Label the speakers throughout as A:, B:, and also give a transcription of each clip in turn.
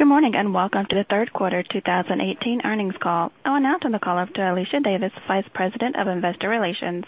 A: Good morning, welcome to the third quarter 2018 earnings call. I'll now turn the call over to Alicia Davis, Vice President of Investor Relations.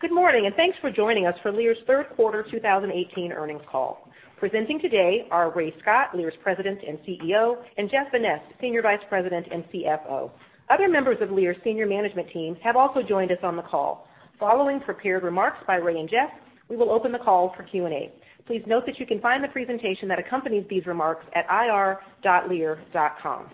B: Good morning, thanks for joining us for Lear's third quarter 2018 earnings call. Presenting today are Ray Scott, Lear's President and CEO; and Jeff Vanneste, Senior Vice President and CFO. Other members of Lear's senior management team have also joined us on the call. Following prepared remarks by Ray and Jeff, we will open the call for Q&A. Please note that you can find the presentation that accompanies these remarks at ir.lear.com.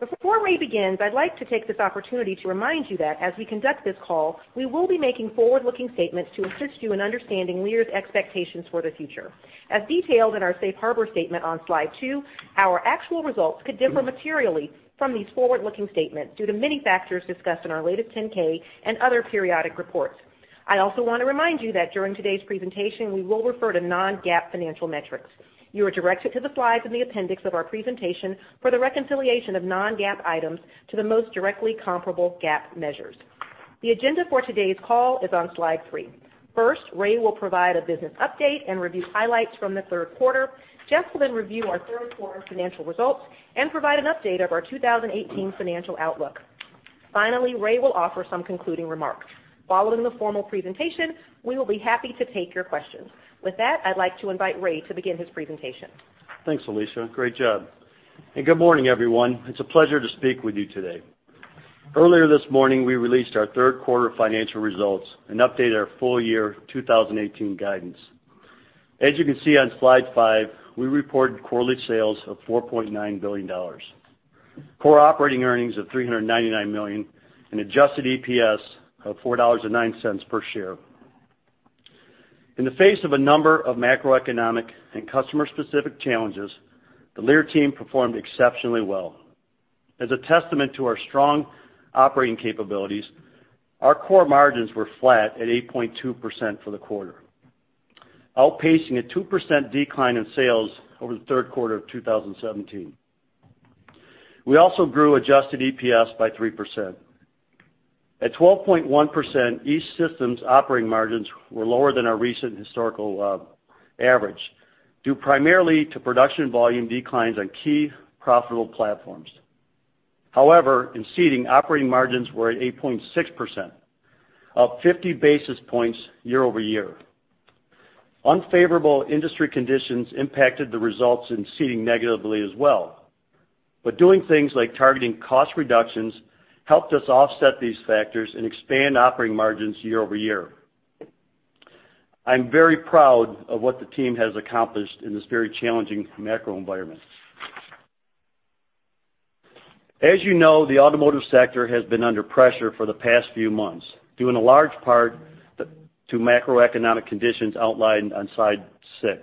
B: Before Ray begins, I'd like to take this opportunity to remind you that as we conduct this call, we will be making forward-looking statements to assist you in understanding Lear's expectations for the future. As detailed in our safe harbor statement on Slide two, our actual results could differ materially from these forward-looking statements due to many factors discussed in our latest 10-K and other periodic reports. I also want to remind you that during today's presentation, we will refer to non-GAAP financial metrics. You are directed to the slides in the appendix of our presentation for the reconciliation of non-GAAP items to the most directly comparable GAAP measures. The agenda for today's call is on Slide three. First, Ray will provide a business update and review highlights from the third quarter. Jeff will then review our third quarter financial results and provide an update of our 2018 financial outlook. Finally, Ray will offer some concluding remarks. Following the formal presentation, we will be happy to take your questions. With that, I'd like to invite Ray to begin his presentation.
C: Thanks, Alicia. Great job. Good morning, everyone. It's a pleasure to speak with you today. Earlier this morning, we released our third quarter financial results and updated our full year 2018 guidance. As you can see on Slide five, we reported quarterly sales of $4.9 billion. Core operating earnings of $399 million and adjusted EPS of $4.09 per share. In the face of a number of macroeconomic and customer-specific challenges, the Lear team performed exceptionally well. As a testament to our strong operating capabilities, our core margins were flat at 8.2% for the quarter, outpacing a 2% decline in sales over the third quarter of 2017. We also grew adjusted EPS by 3%. At 12.1%, E-Systems' operating margins were lower than our recent historical average, due primarily to production volume declines on key profitable platforms. In Seating, operating margins were at 8.6%, up 50 basis points year-over-year. Unfavorable industry conditions impacted the results in Seating negatively as well. Doing things like targeting cost reductions helped us offset these factors and expand operating margins year-over-year. I'm very proud of what the team has accomplished in this very challenging macro environment. As you know, the automotive sector has been under pressure for the past few months, due in a large part to macroeconomic conditions outlined on Slide 6.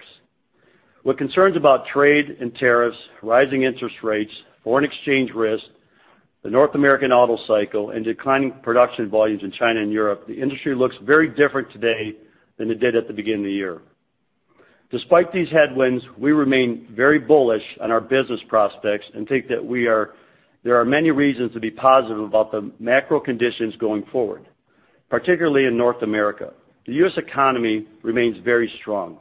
C: With concerns about trade and tariffs, rising interest rates, foreign exchange risk, the North American auto cycle, and declining production volumes in China and Europe, the industry looks very different today than it did at the beginning of the year. Despite these headwinds, we remain very bullish on our business prospects and think that there are many reasons to be positive about the macro conditions going forward, particularly in North America. The U.S. economy remains very strong.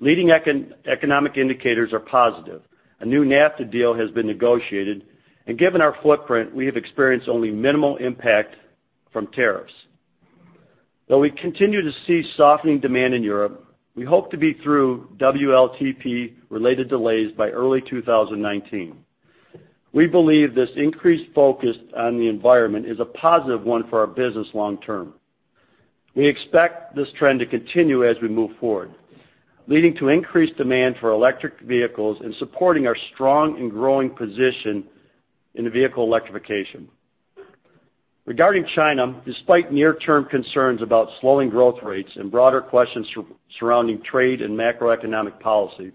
C: Leading economic indicators are positive. A new NAFTA deal has been negotiated. Given our footprint, we have experienced only minimal impact from tariffs. Though we continue to see softening demand in Europe, we hope to be through WLTP-related delays by early 2019. We believe this increased focus on the environment is a positive one for our business long term. We expect this trend to continue as we move forward, leading to increased demand for electric vehicles and supporting our strong and growing position in the vehicle electrification. Regarding China, despite near-term concerns about slowing growth rates and broader questions surrounding trade and macroeconomic policy,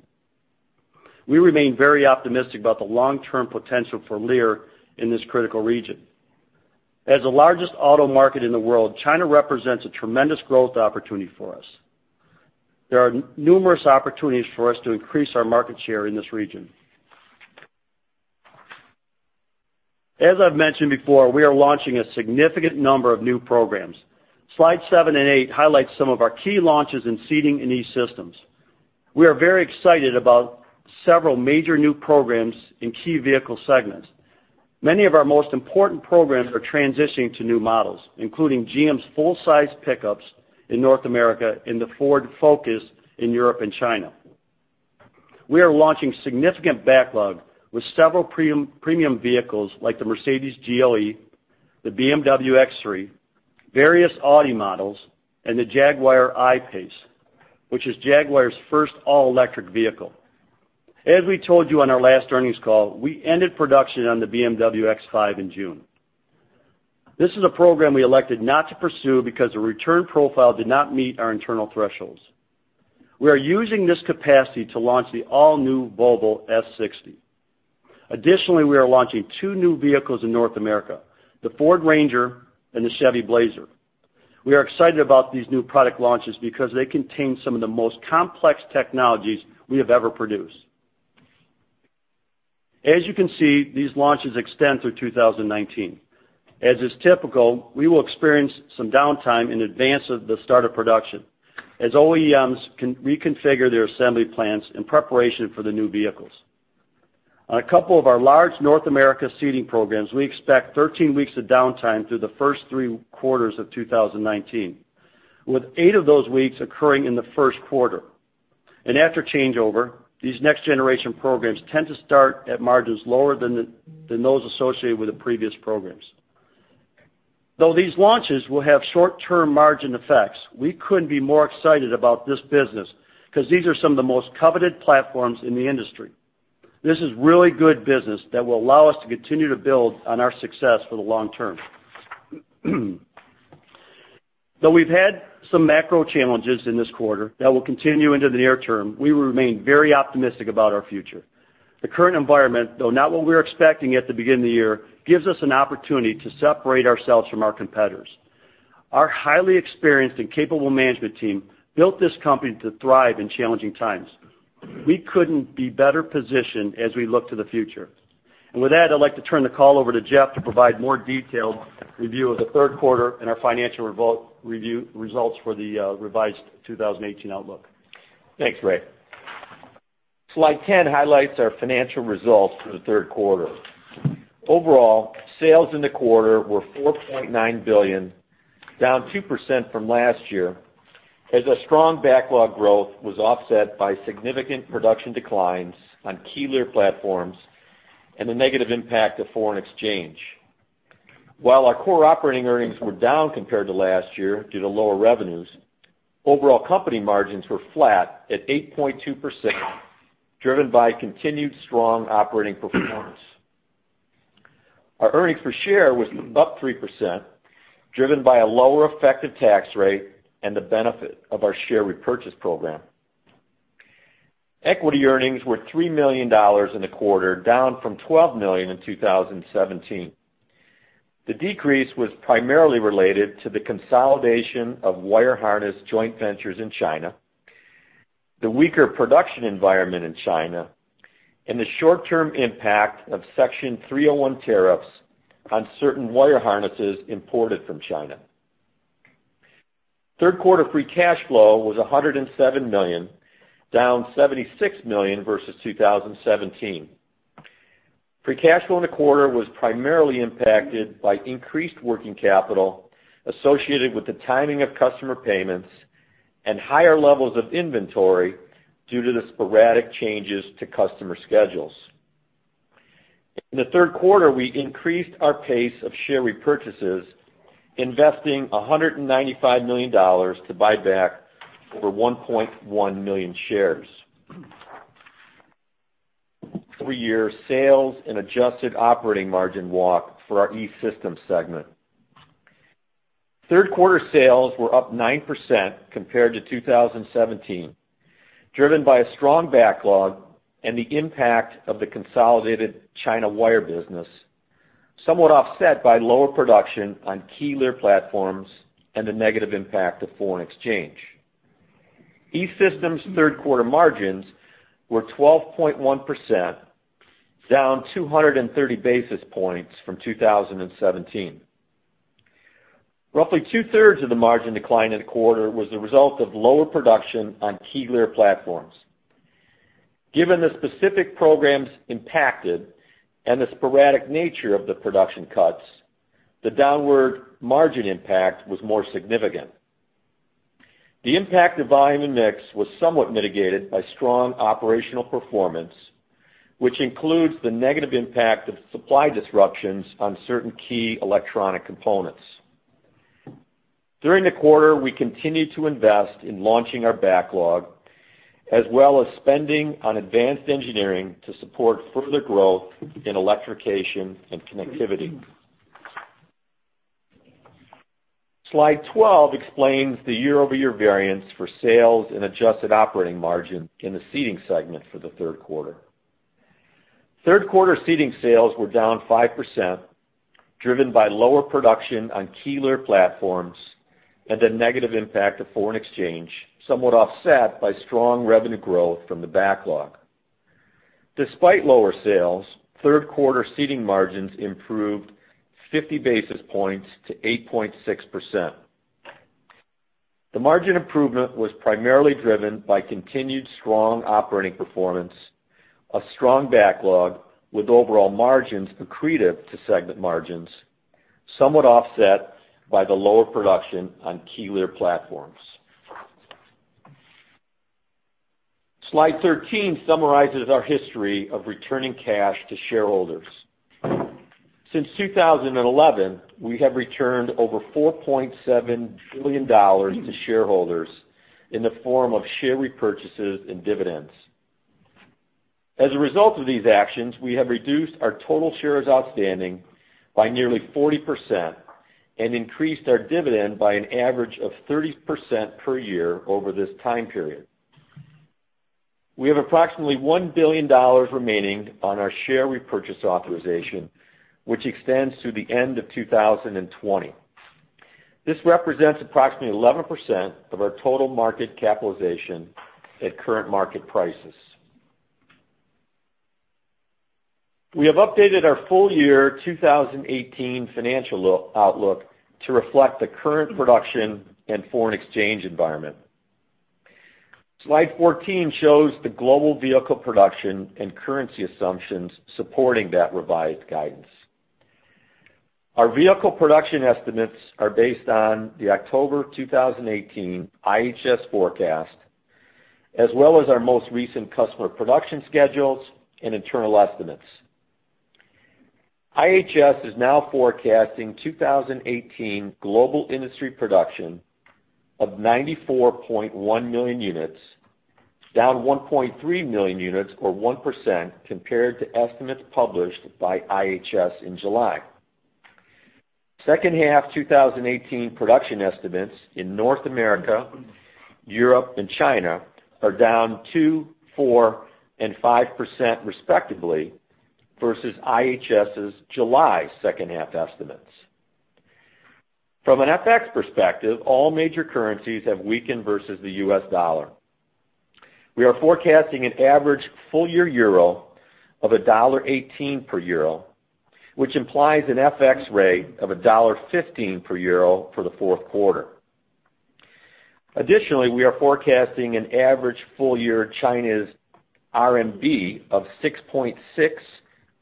C: we remain very optimistic about the long-term potential for Lear in this critical region. As the largest auto market in the world, China represents a tremendous growth opportunity for us. There are numerous opportunities for us to increase our market share in this region. As I've mentioned before, we are launching a significant number of new programs. Slide seven and eight highlight some of our key launches in Seating and E-Systems. We are very excited about several major new programs in key vehicle segments. Many of our most important programs are transitioning to new models, including GM's full-size pickups in North America and the Ford Focus in Europe and China. We are launching significant backlog with several premium vehicles like the Mercedes GLE, the BMW X3, various Audi models, and the Jaguar I-PACE, which is Jaguar's first all-electric vehicle. As we told you on our last earnings call, we ended production on the BMW X5 in June. This is a program we elected not to pursue because the return profile did not meet our internal thresholds. We are using this capacity to launch the all-new Volvo S60. Additionally, we are launching two new vehicles in North America: the Ford Ranger and the Chevy Blazer. We are excited about these new product launches because they contain some of the most complex technologies we have ever produced. As you can see, these launches extend through 2019. As is typical, we will experience some downtime in advance of the start of production as OEMs reconfigure their assembly plans in preparation for the new vehicles. On a couple of our large North America Seating programs, we expect 13 weeks of downtime through the first three quarters of 2019, with eight of those weeks occurring in the first quarter. After changeover, these next-generation programs tend to start at margins lower than those associated with the previous programs. Though these launches will have short-term margin effects, we couldn't be more excited about this business because these are some of the most coveted platforms in the industry. This is really good business that will allow us to continue to build on our success for the long term. Though we've had some macro challenges in this quarter that will continue into the near term, we remain very optimistic about our future. The current environment, though not what we were expecting at the beginning of the year, gives us an opportunity to separate ourselves from our competitors. Our highly experienced and capable management team built this company to thrive in challenging times. We couldn't be better positioned as we look to the future. With that, I'd like to turn the call over to Jeff to provide more detailed review of the third quarter and our financial results for the revised 2018 outlook.
D: Thanks, Ray. Slide 10 highlights our financial results for the third quarter. Overall, sales in the quarter were $4.9 billion, down 2% from last year as our strong backlog growth was offset by significant production declines on key Lear platforms and the negative impact of foreign exchange. While our core operating earnings were down compared to last year due to lower revenues, overall company margins were flat at 8.2%, driven by continued strong operating performance. Our earnings per share was up 3%, driven by a lower effective tax rate and the benefit of our share repurchase program. Equity earnings were $3 million in the quarter, down from $12 million in 2017. The decrease was primarily related to the consolidation of wire harness joint ventures in China, the weaker production environment in China, and the short-term impact of Section 301 tariffs on certain wire harnesses imported from China. Third quarter free cash flow was $107 million, down $76 million versus 2017. Free cash flow in the quarter was primarily impacted by increased working capital associated with the timing of customer payments and higher levels of inventory due to the sporadic changes to customer schedules. In the third quarter, we increased our pace of share repurchases, investing $195 million to buy back over 1.1 million shares. Three-year sales and adjusted operating margin walk for our E-Systems segment. Third quarter sales were up 9% compared to 2017, driven by a strong backlog and the impact of the consolidated China wire business, somewhat offset by lower production on key Lear platforms and the negative impact of foreign exchange. E-Systems third quarter margins were 12.1%, down 230 basis points from 2017. Roughly two-thirds of the margin decline in the quarter was the result of lower production on key Lear platforms. Given the specific programs impacted and the sporadic nature of the production cuts, the downward margin impact was more significant. The impact of volume and mix was somewhat mitigated by strong operational performance, which includes the negative impact of supply disruptions on certain key electronic components. During the quarter, we continued to invest in launching our backlog, as well as spending on advanced engineering to support further growth in electrification and connectivity. Slide 12 explains the year-over-year variance for sales and adjusted operating margin in the Seating segment for the third quarter. Third quarter Seating sales were down 5%, driven by lower production on key Lear platforms and the negative impact of foreign exchange, somewhat offset by strong revenue growth from the backlog. Despite lower sales, third quarter Seating margins improved 50 basis points to 8.6%. The margin improvement was primarily driven by continued strong operating performance, a strong backlog, with overall margins accretive to segment margins, somewhat offset by the lower production on key Lear platforms. Slide 13 summarizes our history of returning cash to shareholders. Since 2011, we have returned over $4.7 billion to shareholders in the form of share repurchases and dividends. As a result of these actions, we have reduced our total shares outstanding by nearly 40% and increased our dividend by an average of 30% per year over this time period. We have approximately $1 billion remaining on our share repurchase authorization, which extends to the end of 2020. This represents approximately 11% of our total market capitalization at current market prices. We have updated our full year 2018 financial outlook to reflect the current production and foreign exchange environment. Slide 14 shows the global vehicle production and currency assumptions supporting that revised guidance. Our vehicle production estimates are based on the October 2018 IHS forecast, as well as our most recent customer production schedules and internal estimates. IHS is now forecasting 2018 global industry production of 94.1 million units, down 1.3 million units or 1% compared to estimates published by IHS in July. Second half 2018 production estimates in North America, Europe, and China are down 2%, 4% and 5% respectively versus IHS's July second half estimates. From an FX perspective, all major currencies have weakened versus the US dollar. We are forecasting an average full year euro of $1.18 per euro, which implies an FX rate of $1.15 per euro for the fourth quarter. Additionally, we are forecasting an average full year China's RMB of 6.6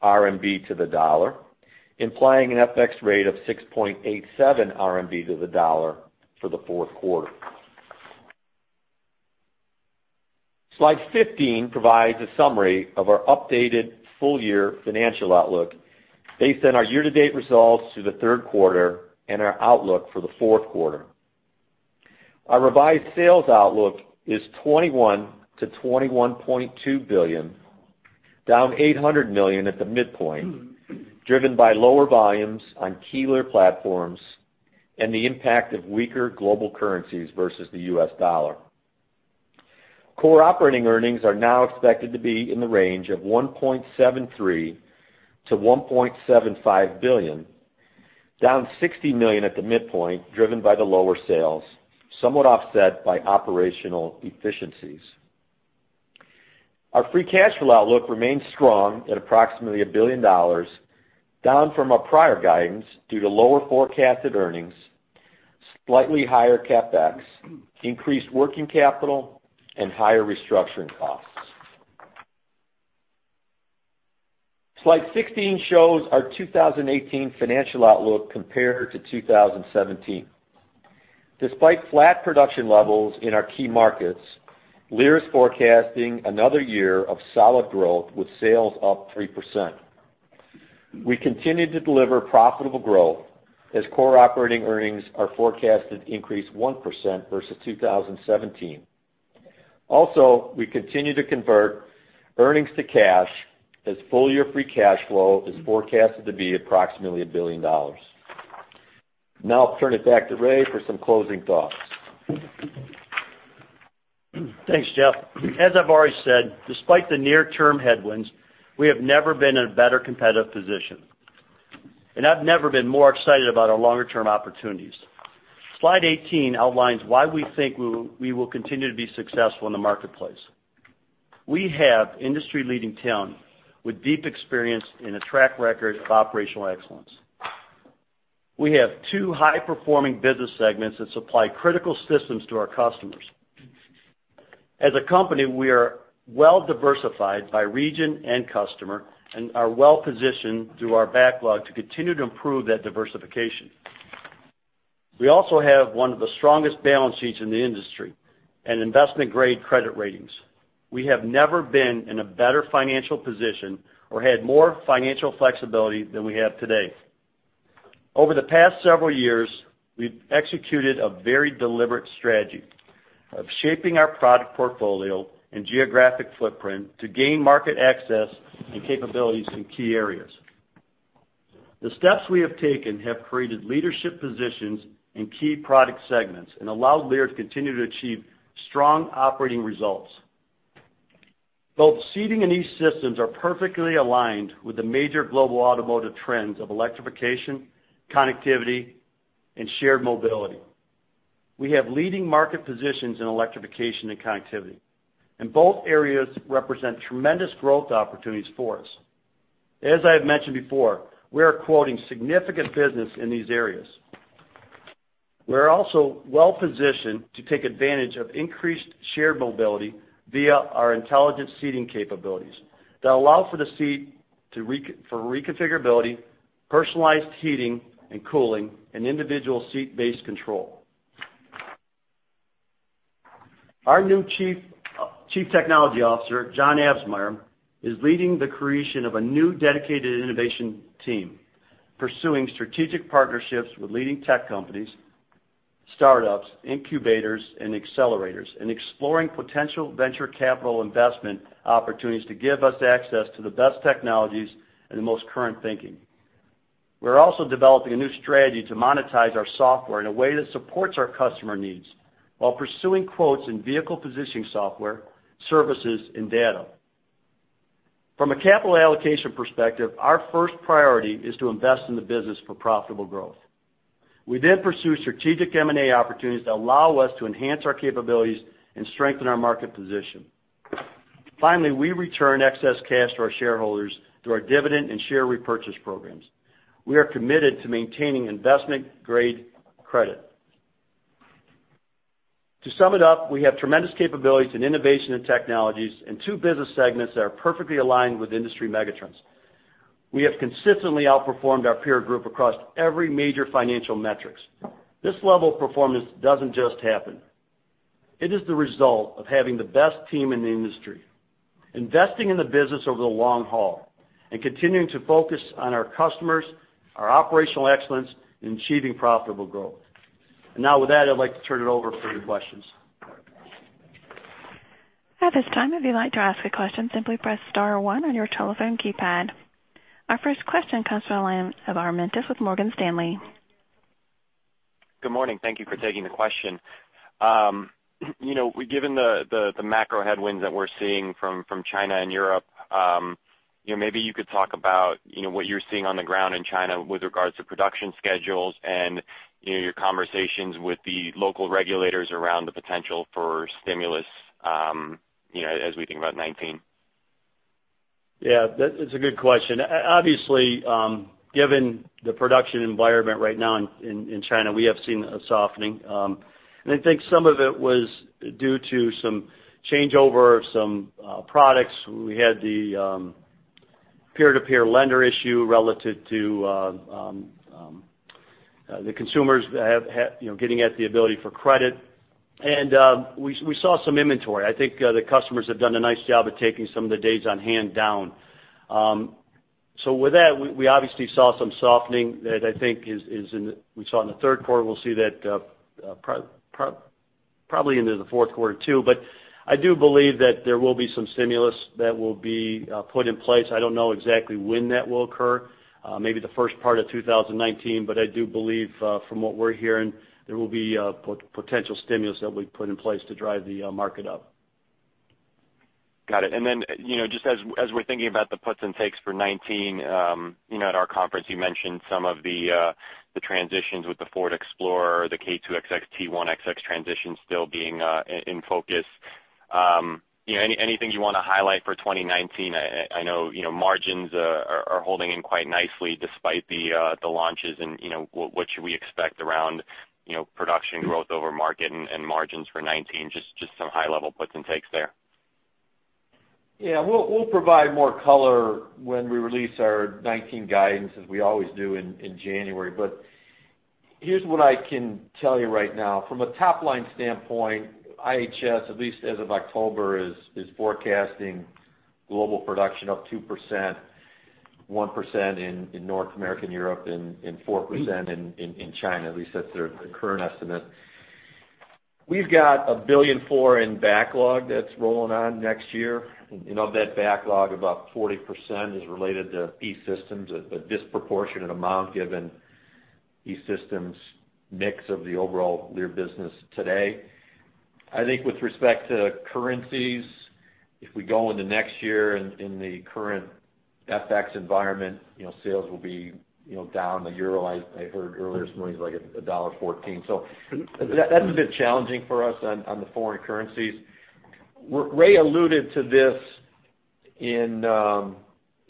D: RMB to the dollar, implying an FX rate of 6.87 RMB to the dollar for the fourth quarter. Slide 15 provides a summary of our updated full year financial outlook based on our year-to-date results through the third quarter and our outlook for the fourth quarter. Our revised sales outlook is $21 billion-$21.2 billion, down $800 million at the midpoint, driven by lower volumes on key Lear platforms and the impact of weaker global currencies versus the US dollar. Core operating earnings are now expected to be in the range of $1.73 billion-$1.75 billion, down $60 million at the midpoint, driven by the lower sales, somewhat offset by operational efficiencies. Our free cash flow outlook remains strong at approximately $1 billion, down from our prior guidance due to lower forecasted earnings, slightly higher CapEx, increased working capital, and higher restructuring costs. Slide 16 shows our 2018 financial outlook compared to 2017. Despite flat production levels in our key markets, Lear is forecasting another year of solid growth with sales up 3%. We continue to deliver profitable growth as core operating earnings are forecasted to increase 1% versus 2017. We continue to convert earnings to cash as full-year free cash flow is forecasted to be approximately $1 billion. I'll turn it back to Ray for some closing thoughts.
C: Thanks, Jeff. As I've already said, despite the near-term headwinds, we have never been in a better competitive position, and I've never been more excited about our longer-term opportunities. Slide 18 outlines why we think we will continue to be successful in the marketplace. We have industry-leading talent with deep experience and a track record of operational excellence. We have two high-performing business segments that supply critical systems to our customers. As a company, we are well-diversified by region and customer and are well-positioned through our backlog to continue to improve that diversification. We also have one of the strongest balance sheets in the industry and investment-grade credit ratings. We have never been in a better financial position or had more financial flexibility than we have today. Over the past several years, we've executed a very deliberate strategy of shaping our product portfolio and geographic footprint to gain market access and capabilities in key areas. The steps we have taken have created leadership positions in key product segments and allowed Lear to continue to achieve strong operating results. Both Seating and E-Systems are perfectly aligned with the major global automotive trends of electrification, connectivity, and shared mobility. We have leading market positions in electrification and connectivity, and both areas represent tremendous growth opportunities for us. As I have mentioned before, we are quoting significant business in these areas. We're also well-positioned to take advantage of increased shared mobility via our intelligent seating capabilities that allow for the seat for reconfigurability, personalized heating and cooling, and individual seat-based control. Our new Chief Technology Officer, John Absmeier, is leading the creation of a new dedicated innovation team, pursuing strategic partnerships with leading tech companies, startups, incubators, and accelerators, and exploring potential venture capital investment opportunities to give us access to the best technologies and the most current thinking. We're also developing a new strategy to monetize our software in a way that supports our customer needs while pursuing quotes in vehicle positioning software, services, and data. From a capital allocation perspective, our first priority is to invest in the business for profitable growth. We then pursue strategic M&A opportunities that allow us to enhance our capabilities and strengthen our market position. Finally, we return excess cash to our shareholders through our dividend and share repurchase programs. We are committed to maintaining investment-grade credit. To sum it up, we have tremendous capabilities in innovation and technologies and two business segments that are perfectly aligned with industry megatrends. We have consistently outperformed our peer group across every major financial metric. This level of performance doesn't just happen. It is the result of having the best team in the industry, investing in the business over the long haul, and continuing to focus on our customers, our operational excellence, and achieving profitable growth. Now with that, I'd like to turn it over for your questions.
A: At this time, if you'd like to ask a question, simply press star one on your telephone keypad. Our first question comes from the line of Adam Jonas with Morgan Stanley.
E: Good morning. Thank you for taking the question. Given the macro headwinds that we're seeing from China and Europe, maybe you could talk about what you're seeing on the ground in China with regards to production schedules and your conversations with the local regulators around the potential for stimulus as we think about 2019.
C: Yeah. That's a good question. Obviously, given the production environment right now in China, we have seen a softening. I think some of it was due to some changeover of some products. We had the peer-to-peer lender issue relative to the consumers getting at the ability for credit. We saw some inventory. I think the customers have done a nice job of taking some of the days on hand down. With that, we obviously saw some softening that I think we saw in the third quarter. We'll see that probably into the fourth quarter, too. I do believe that there will be some stimulus that will be put in place. I don't know exactly when that will occur. Maybe the first part of 2019. I do believe, from what we're hearing, there will be potential stimulus that will be put in place to drive the market up.
E: Got it. Just as we're thinking about the puts and takes for 2019, at our conference, you mentioned some of the transitions with the Ford Explorer, the K2XX T1XX transition still being in focus. Anything you want to highlight for 2019? I know margins are holding in quite nicely despite the launches. What should we expect around production growth over market and margins for 2019? Just some high-level puts and takes there.
D: Yeah. We'll provide more color when we release our 2019 guidance, as we always do in January. Here's what I can tell you right now. From a top-line standpoint, IHS, at least as of October, is forecasting global production up 2%, 1% in North America and Europe, and 4% in China. At least that's their current estimate. We've got $1.4 billion in backlog that's rolling on next year. Of that backlog, about 40% is related to E-Systems, a disproportionate amount given E-Systems' mix of the overall Lear business today. I think with respect to currencies, if we go into next year in the current FX environment, sales will be down. The euro, I heard earlier this morning, is like $1.14. That's a bit challenging for us on the foreign currencies. Ray alluded to this in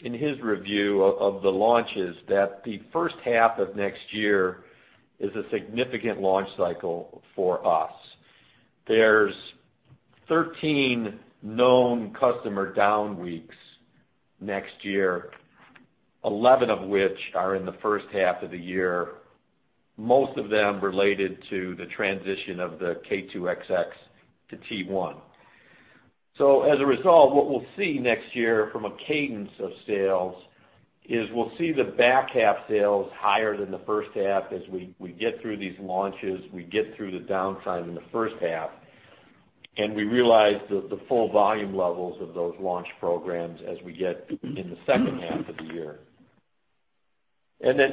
D: his review of the launches, that the first half of next year is a significant launch cycle for us. There are 13 known customer down weeks next year, 11 of which are in the first half of the year, most of them related to the transition of the K2XX to T1. As a result, what we'll see next year from a cadence of sales is we'll see the back half sales higher than the first half as we get through these launches, we get through the downtime in the first half, and we realize the full volume levels of those launch programs as we get in the second half of the year.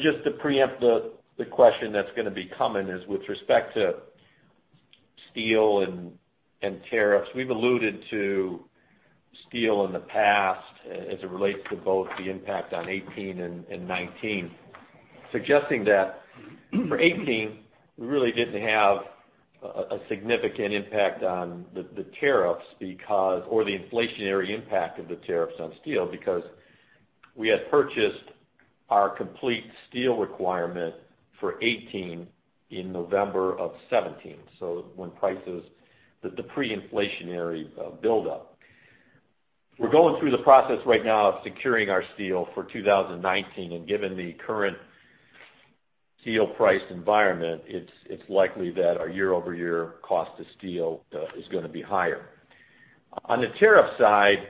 D: Just to preempt the question that's going to be coming is with respect to steel and tariffs. We've alluded to steel in the past as it relates to both the impact on 2018 and 2019, suggesting that for 2018, we really didn't have a significant impact on the tariffs or the inflationary impact of the tariffs on steel because we had purchased our complete steel requirement for 2018 in November of 2017, so the pre-inflationary buildup. We're going through the process right now of securing our steel for 2019, and given the current steel price environment, it's likely that our year-over-year cost of steel is going to be higher. On the tariff side,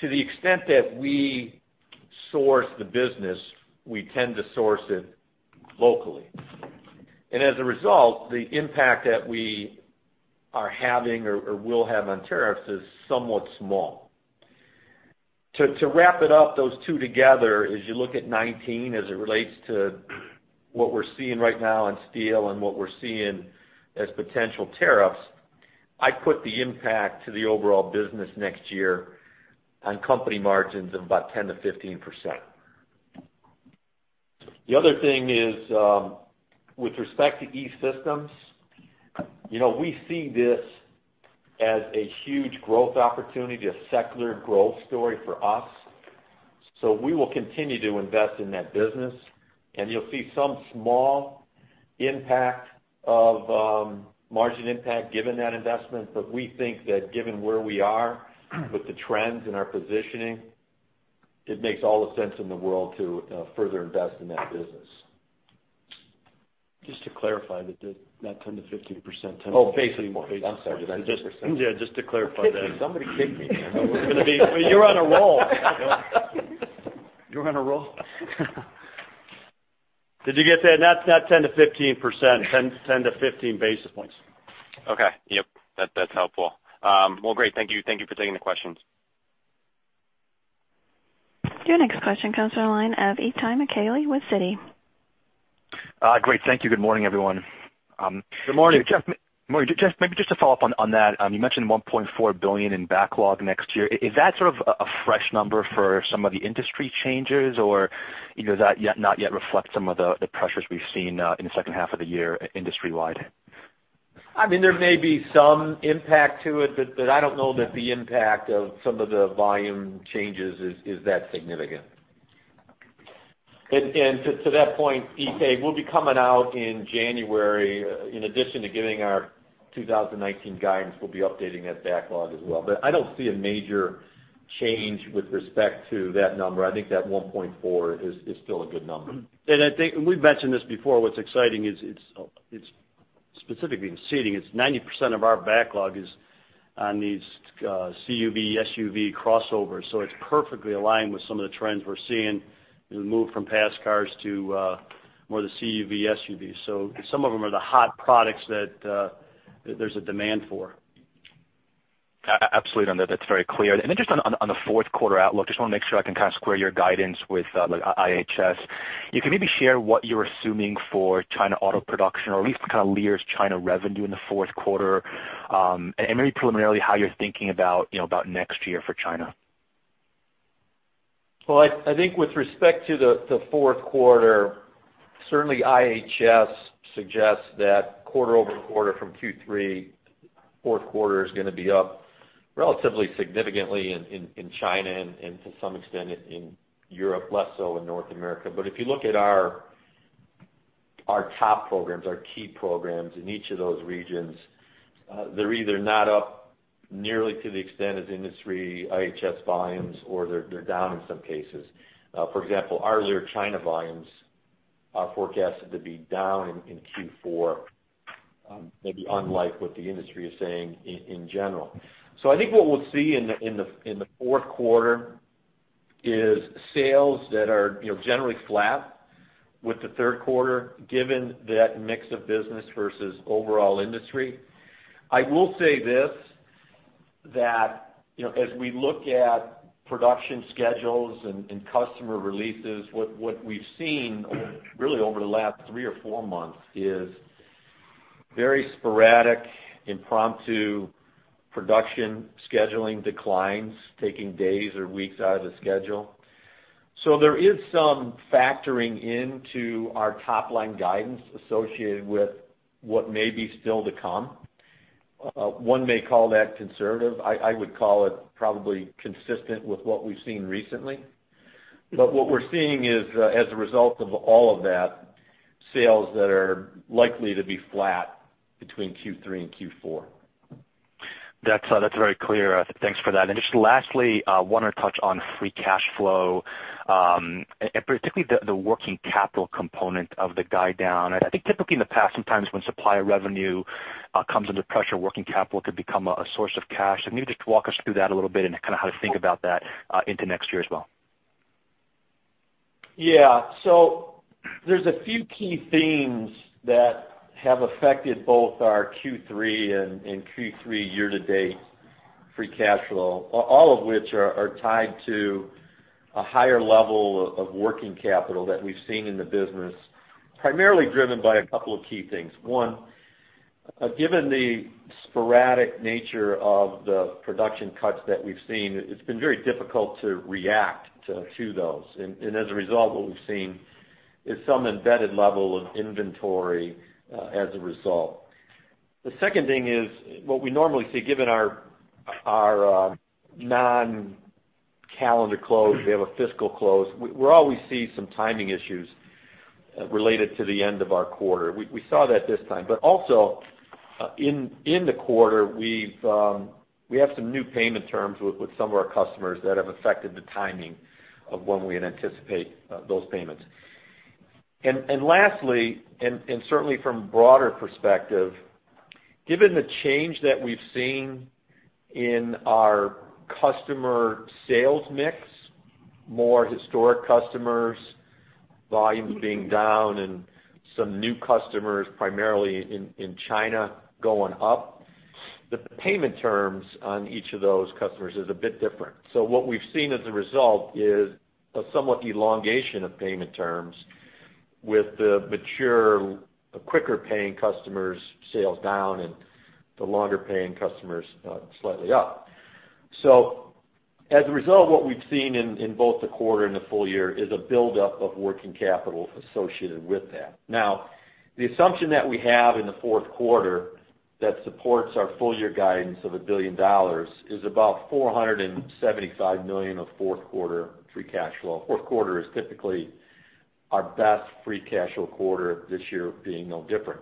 D: to the extent that we source the business, we tend to source it locally. As a result, the impact that we are having or will have on tariffs is somewhat small. To wrap it up, those two together, as you look at 2019 as it relates to What we're seeing right now in steel and what we're seeing as potential tariffs, I put the impact to the overall business next year on company margins of about 10%-15%.
C: The other thing is, with respect to E-Systems, we see this as a huge growth opportunity, a secular growth story for us. We will continue to invest in that business, and you'll see some small margin impact given that investment. We think that given where we are with the trends and our positioning, it makes all the sense in the world to further invest in that business.
D: Just to clarify, that 10%-15%.
C: basis points.
D: I'm sorry.
C: Yes, basis points.
D: Yes, just to clarify that.
C: Somebody kick me.
D: You're on a roll. You're on a roll.
C: Did you get that? Not 10%-15%, 10-15 basis points.
E: Okay. Yep. That's helpful. Well, great. Thank you for taking the questions.
A: Your next question comes from the line of Itay Michaeli with Citi.
F: Great. Thank you. Good morning, everyone.
C: Good morning.
F: Morning, maybe just to follow up on that, you mentioned $1.4 billion in backlog next year. Is that sort of a fresh number for some of the industry changes, or does that not yet reflect some of the pressures we've seen in the second half of the year industry wide?
D: There may be some impact to it. I don't know that the impact of some of the volume changes is that significant. To that point, Itay, we'll be coming out in January. In addition to giving our 2019 guidance, we'll be updating that backlog as well. I don't see a major change with respect to that number. I think that 1.4 is still a good number.
C: We've mentioned this before, what's exciting is, specifically in Seating, it's 90% of our backlog is on these CUV, SUV crossovers, it's perfectly aligned with some of the trends we're seeing in the move from past cars to more of the CUV, SUVs. Some of them are the hot products that there's a demand for.
F: Absolutely, that's very clear. Then just on the fourth quarter outlook, just want to make sure I can square your guidance with IHS. You can maybe share what you're assuming for China auto production or at least Lear's China revenue in the fourth quarter, and maybe preliminarily how you're thinking about next year for China?
D: Well, I think with respect to the fourth quarter, certainly IHS suggests that quarter-over-quarter from Q3, fourth quarter is going to be up relatively significantly in China and to some extent in Europe, less so in North America. If you look at our top programs, our key programs in each of those regions, they're either not up nearly to the extent as industry IHS volumes or they're down in some cases. For example, our Lear China volumes are forecasted to be down in Q4, maybe unlike what the industry is saying in general. I think what we'll see in the fourth quarter is sales that are generally flat with the third quarter, given that mix of business versus overall industry. I will say this, that as we look at production schedules and customer releases, what we've seen really over the last three or four months is very sporadic, impromptu production scheduling declines, taking days or weeks out of the schedule. There is some factoring into our top-line guidance associated with what may be still to come. One may call that conservative. I would call it probably consistent with what we've seen recently. What we're seeing is, as a result of all of that, sales that are likely to be flat between Q3 and Q4.
F: That's very clear. Thanks for that. Just lastly, I want to touch on free cash flow, and particularly the working capital component of the guide down. I think typically in the past, sometimes when supplier revenue comes under pressure, working capital could become a source of cash. Maybe just walk us through that a little bit and how to think about that into next year as well.
D: Yeah. There's a few key themes that have affected both our Q3 and Q3 year-to-date free cash flow, all of which are tied to a higher level of working capital that we've seen in the business, primarily driven by a couple of key things. One, given the sporadic nature of the production cuts that we've seen, it's been very difficult to react to those. As a result, what we've seen is some embedded level of inventory as a result. The second thing is what we normally see given our non-calendar close, we have a fiscal close, we always see some timing issues related to the end of our quarter. We saw that this time. Also, in the quarter, we have some new payment terms with some of our customers that have affected the timing of when we had anticipate those payments. Lastly, and certainly from broader perspective, given the change that we've seen in our customer sales mix, more historic customers, volumes being down and some new customers primarily in China going up. The payment terms on each of those customers is a bit different. What we've seen as a result is a somewhat elongation of payment terms with the mature, quicker paying customers' sales down and the longer paying customers slightly up. As a result, what we've seen in both the quarter and the full year is a buildup of working capital associated with that. The assumption that we have in the fourth quarter that supports our full-year guidance of $1 billion is about $475 million of fourth quarter free cash flow. Fourth quarter is typically our best free cash flow quarter, this year being no different.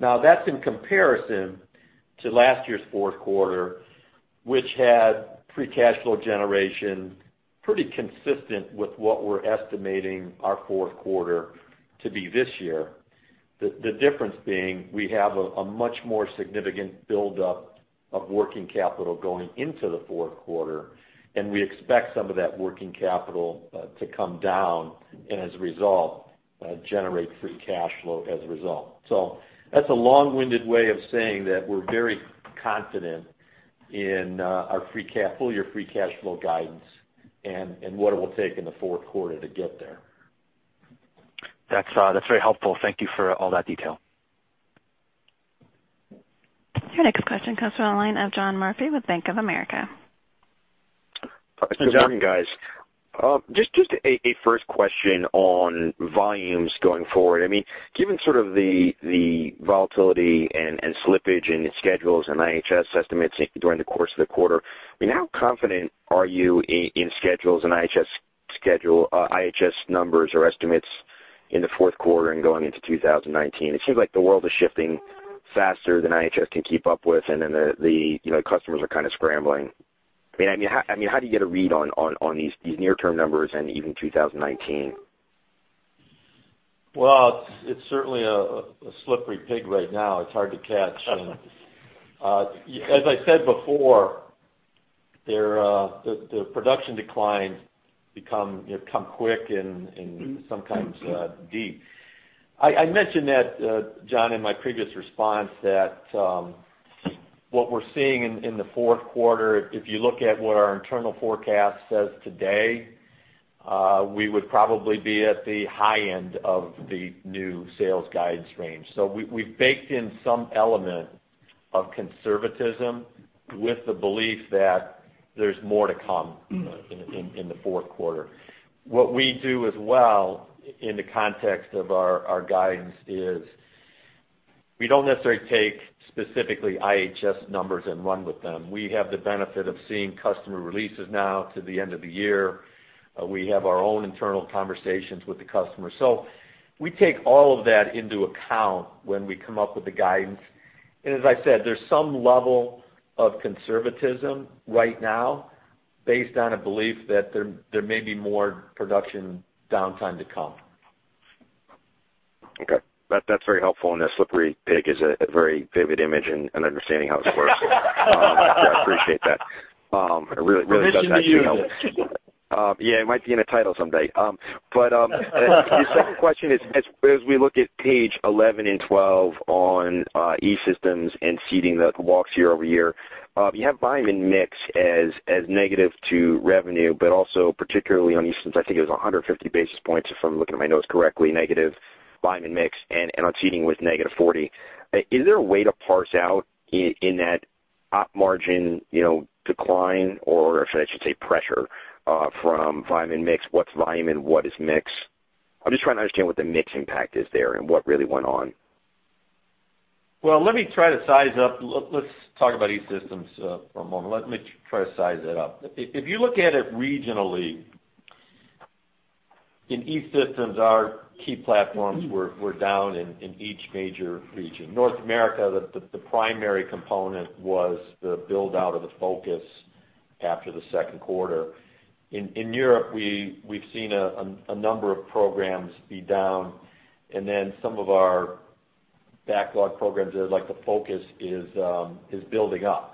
D: That's in comparison to last year's fourth quarter, which had free cash flow generation pretty consistent with what we're estimating our fourth quarter to be this year. The difference being we have a much more significant buildup of working capital going into the fourth quarter, and we expect some of that working capital to come down and as a result, generate free cash flow as a result. That's a long-winded way of saying that we're very confident in our full-year free cash flow guidance and what it will take in the fourth quarter to get there.
F: That's very helpful. Thank you for all that detail.
A: Your next question comes from the line of John Murphy with Bank of America.
D: Good morning.
G: Good morning, guys. Just a first question on volumes going forward. Given sort of the volatility and slippage in schedules and IHS estimates during the course of the quarter, how confident are you in schedules and IHS numbers or estimates in the fourth quarter and going into 2019? It seems like the world is shifting faster than IHS can keep up with, the customers are kind of scrambling. How do you get a read on these near-term numbers and even 2019?
D: Well, it's certainly a slippery pig right now. It's hard to catch. As I said before, the production declines come quick and sometimes deep. I mentioned that, John, in my previous response that what we're seeing in the fourth quarter, if you look at what our internal forecast says today, we would probably be at the high end of the new sales guidance range. We've baked in some element of conservatism with the belief that there's more to come in the fourth quarter. What we do as well in the context of our guidance is we don't necessarily take specifically IHS numbers and run with them. We have the benefit of seeing customer releases now to the end of the year. We have our own internal conversations with the customer. We take all of that into account when we come up with the guidance. As I said, there's some level of conservatism right now based on a belief that there may be more production downtime to come.
G: Okay. That's very helpful. A slippery pig is a very vivid image in understanding how this works. I appreciate that. It really does actually help.
D: Permission to use it.
G: Yeah, it might be in a title someday. The second question is, as we look at page 11 and 12 on E-Systems and Seating, the walks year-over-year, you have volume and mix as negative to revenue, but also particularly on E-Systems, I think it was 150 basis points, if I'm looking at my notes correctly, negative volume and mix, and on Seating it was negative 40. Is there a way to parse out in that op margin decline, or I should say pressure from volume and mix, what's volume and what is mix? I'm just trying to understand what the mix impact is there and what really went on.
D: Well, let me try to size up. Let's talk about E-Systems for a moment. Let me try to size that up. If you look at it regionally, in E-Systems, our key platforms were down in each major region. North America, the primary component was the build-out of the Ford Focus after the second quarter. In Europe, we've seen a number of programs be down. Some of our backlog programs, like the Ford Focus, is building up.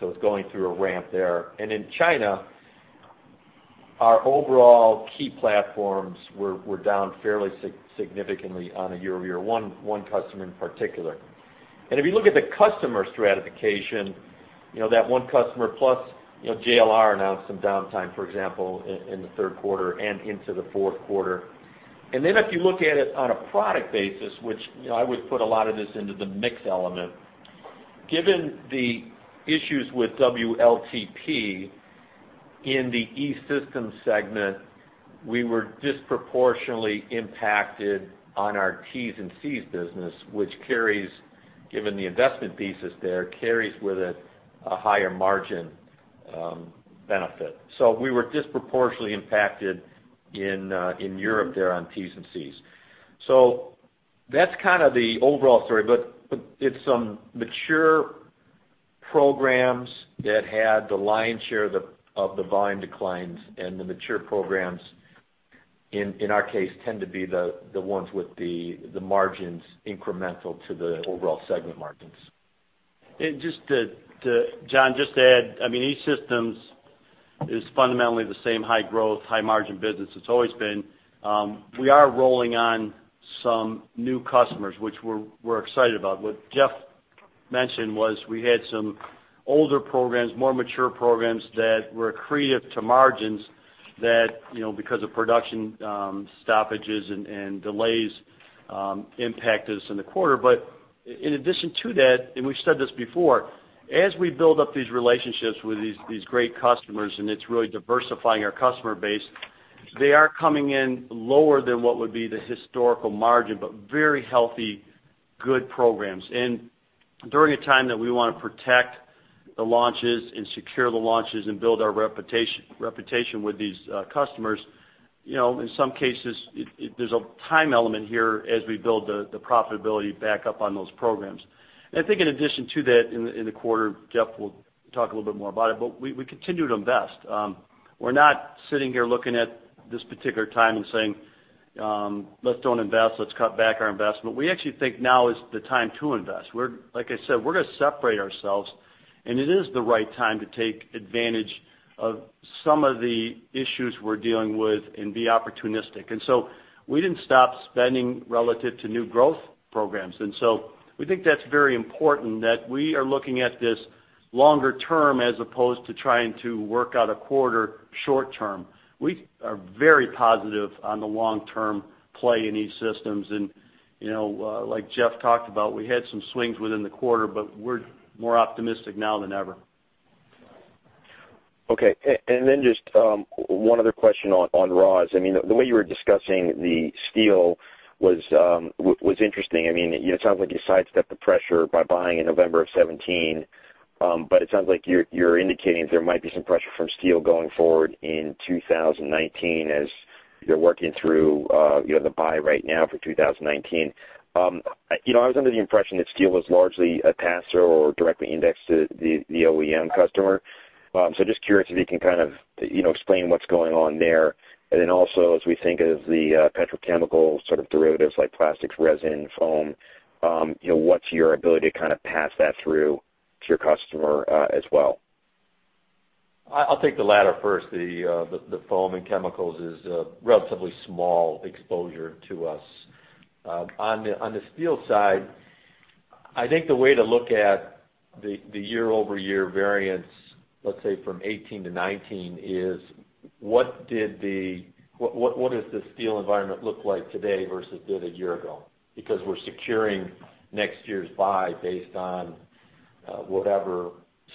D: It's going through a ramp there. In China, our overall key platforms were down fairly significantly on a year-over-year, one customer in particular. If you look at the customer stratification, that one customer plus JLR announced some downtime, for example, in the third quarter and into the fourth quarter. If you look at it on a product basis, which I would put a lot of this into the mix element, given the issues with WLTP in the E-Systems segment, we were disproportionately impacted on our terminals and connectors business, which, given the investment pieces there, carries with it a higher margin benefit. We were disproportionately impacted in Europe there on terminals and connectors. That's kind of the overall story, but it's some mature programs that had the lion's share of the volume declines and the mature programs, in our case, tend to be the ones with the margins incremental to the overall segment margins. John, just to add, E-Systems
C: Is fundamentally the same high growth, high margin business it's always been. We are rolling on some new customers, which we're excited about. What Jeff mentioned was we had some older programs, more mature programs that were accretive to margins that, because of production stoppages and delays, impacted us in the quarter. In addition to that, and we've said this before, as we build up these relationships with these great customers, and it's really diversifying our customer base, they are coming in lower than what would be the historical margin, but very healthy, good programs. During a time that we want to protect the launches and secure the launches and build our reputation with these customers, in some cases, there's a time element here as we build the profitability back up on those programs. I think in addition to that, in the quarter, Jeff will talk a little bit more about it, but we continue to invest. We're not sitting here looking at this particular time and saying, "Let's don't invest. Let's cut back our investment." We actually think now is the time to invest. Like I said, we're going to separate ourselves, and it is the right time to take advantage of some of the issues we're dealing with and be opportunistic. We didn't stop spending relative to new growth programs. We think that's very important that we are looking at this longer term as opposed to trying to work out a quarter short term. We are very positive on the long-term play in these systems. Like Jeff talked about, we had some swings within the quarter, but we're more optimistic now than ever.
G: Okay. Just one other question on raws. The way you were discussing the steel was interesting. It sounds like you sidestepped the pressure by buying in November of 2017, but it sounds like you're indicating there might be some pressure from steel going forward in 2019 as you're working through the buy right now for 2019. I was under the impression that steel was largely a passer or directly indexed to the OEM customer. Just curious if you can kind of explain what's going on there. Also, as we think of the petrochemical sort of derivatives like plastics, resin, foam, what's your ability to kind of pass that through to your customer as well?
D: I'll take the latter first. The foam and chemicals is a relatively small exposure to us. On the steel side, I think the way to look at the year-over-year variance, let's say from 2018 to 2019, is what does the steel environment look like today versus did a year ago? Because we're securing next year's buy based on whatever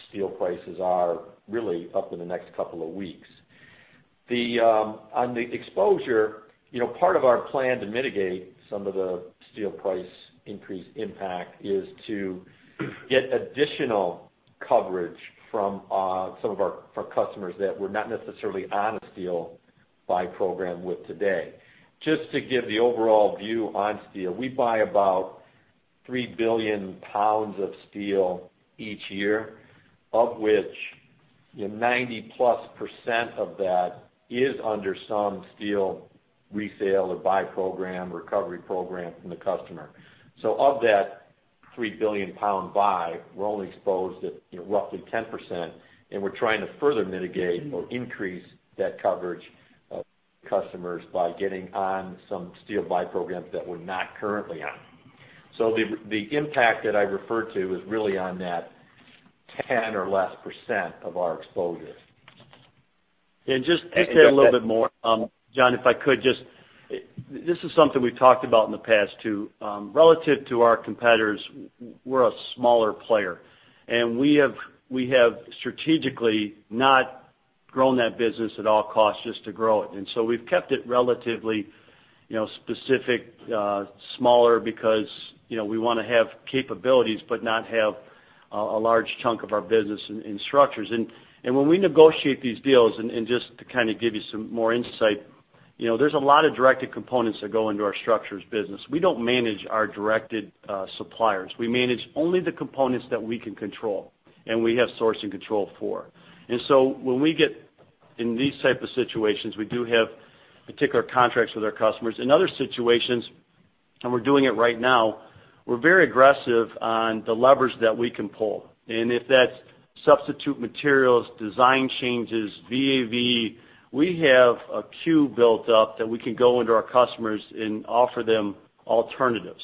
D: steel prices are really up in the next couple of weeks. On the exposure, part of our plan to mitigate some of the steel price increase impact is to get additional coverage from some of our customers that we're not necessarily on a steel buy program with today. Just to give the overall view on steel, we buy about 3 billion pounds of steel each year, of which 90%-plus of that is under some steel resale or buy program, recovery program from the customer. Of that 3 billion pound buy, we're only exposed at roughly 10%, and we're trying to further mitigate or increase that coverage of customers by getting on some steel buy programs that we're not currently on. The impact that I referred to is really on that 10% or less of our exposure.
G: And just that-
C: Just to add a little bit more, John, if I could just, this is something we've talked about in the past, too. Relative to our competitors, we're a smaller player, and we have strategically not grown that business at all costs just to grow it. We've kept it relatively specific, smaller because we want to have capabilities but not have a large chunk of our business in structures. When we negotiate these deals, just to kind of give you some more insight, there's a lot of directed components that go into our structures business. We don't manage our directed suppliers. We manage only the components that we can control, and we have sourcing control for. When we get in these type of situations, we do have particular contracts with our customers. In other situations, we're doing it right now, we're very aggressive on the levers that we can pull. If that's substitute materials, design changes, VA/VE, we have a queue built up that we can go into our customers and offer them alternatives.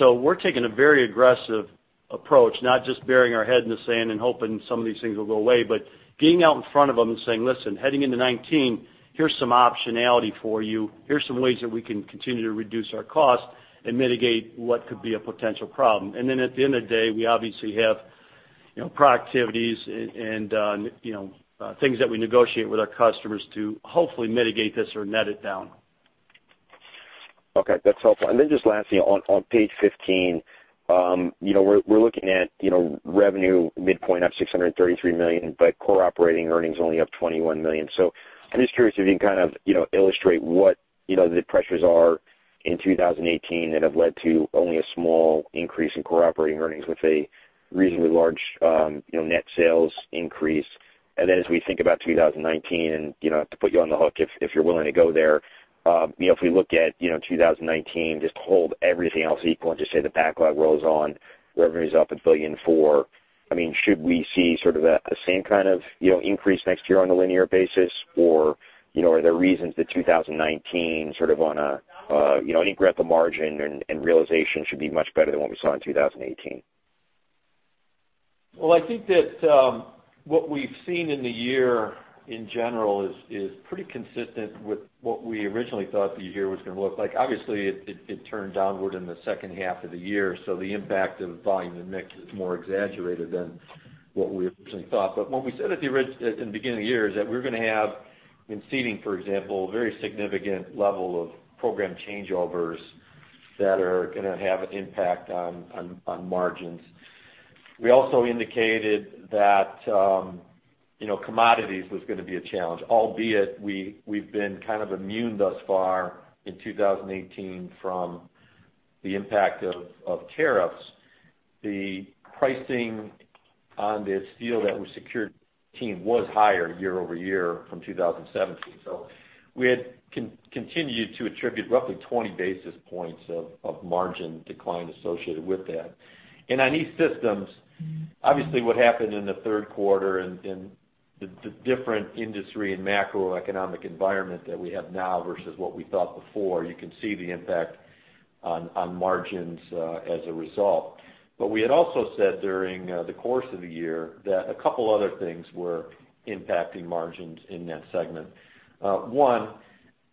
C: We're taking a very aggressive approach, not just burying our head in the sand and hoping some of these things will go away, but being out in front of them and saying, "Listen, heading into 2019, here's some optionality for you. Here's some ways that we can continue to reduce our cost and mitigate what could be a potential problem." At the end of the day, we obviously have productivities and things that we negotiate with our customers to hopefully mitigate this or net it down.
G: Okay. That's helpful. Just lastly, on page 15, we're looking at revenue midpoint up $633 million, but core operating earnings only up $21 million. I'm just curious if you can kind of illustrate what the pressures are in 2018 that have led to only a small increase in core operating earnings with a reasonably large net sales increase. As we think about 2019, and to put you on the hook, if you're willing to go there, if we look at 2019, just hold everything else equal and just say the backlog rolls on, revenue's up $1.4 billion. Should we see sort of a same kind of increase next year on a linear basis, or are there reasons that 2019 sort of any growth of margin and realization should be much better than what we saw in 2018?
D: Well, I think that what we've seen in the year in general is pretty consistent with what we originally thought the year was going to look like. Obviously, it turned downward in the second half of the year, so the impact of volume and mix is more exaggerated than what we originally thought. What we said in the beginning of the year is that we were going to have, in Seating for example, a very significant level of program changeovers that are going to have an impact on margins. We also indicated that commodities was going to be a challenge, albeit we've been kind of immune thus far in 2018 from the impact of tariffs. The pricing on the steel that we secured team was higher year-over-year from 2017. We had continued to attribute roughly 20 basis points of margin decline associated with that. On E-Systems, obviously what happened in the third quarter and the different industry and macroeconomic environment that we have now versus what we thought before, you can see the impact on margins as a result. We had also said during the course of the year that a couple other things were impacting margins in that segment. One,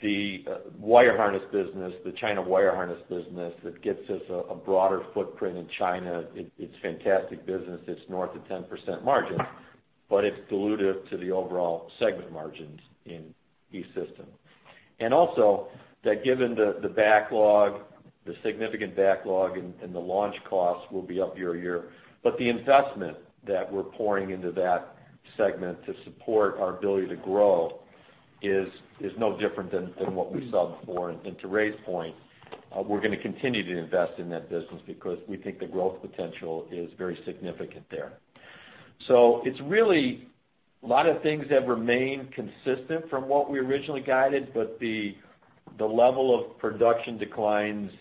D: the wire harness business, the China wire harness business that gets us a broader footprint in China, it's fantastic business. It's north of 10% margins, but it's dilutive to the overall segment margins in E-Systems. Also, that given the significant backlog and the launch costs will be up year-over-year. The investment that we're pouring into that segment to support our ability to grow is no different than what we saw before. To Ray's point, we're going to continue to invest in that business because we think the growth potential is very significant there. It's really a lot of things have remained consistent from what we originally guided, but the level of production declines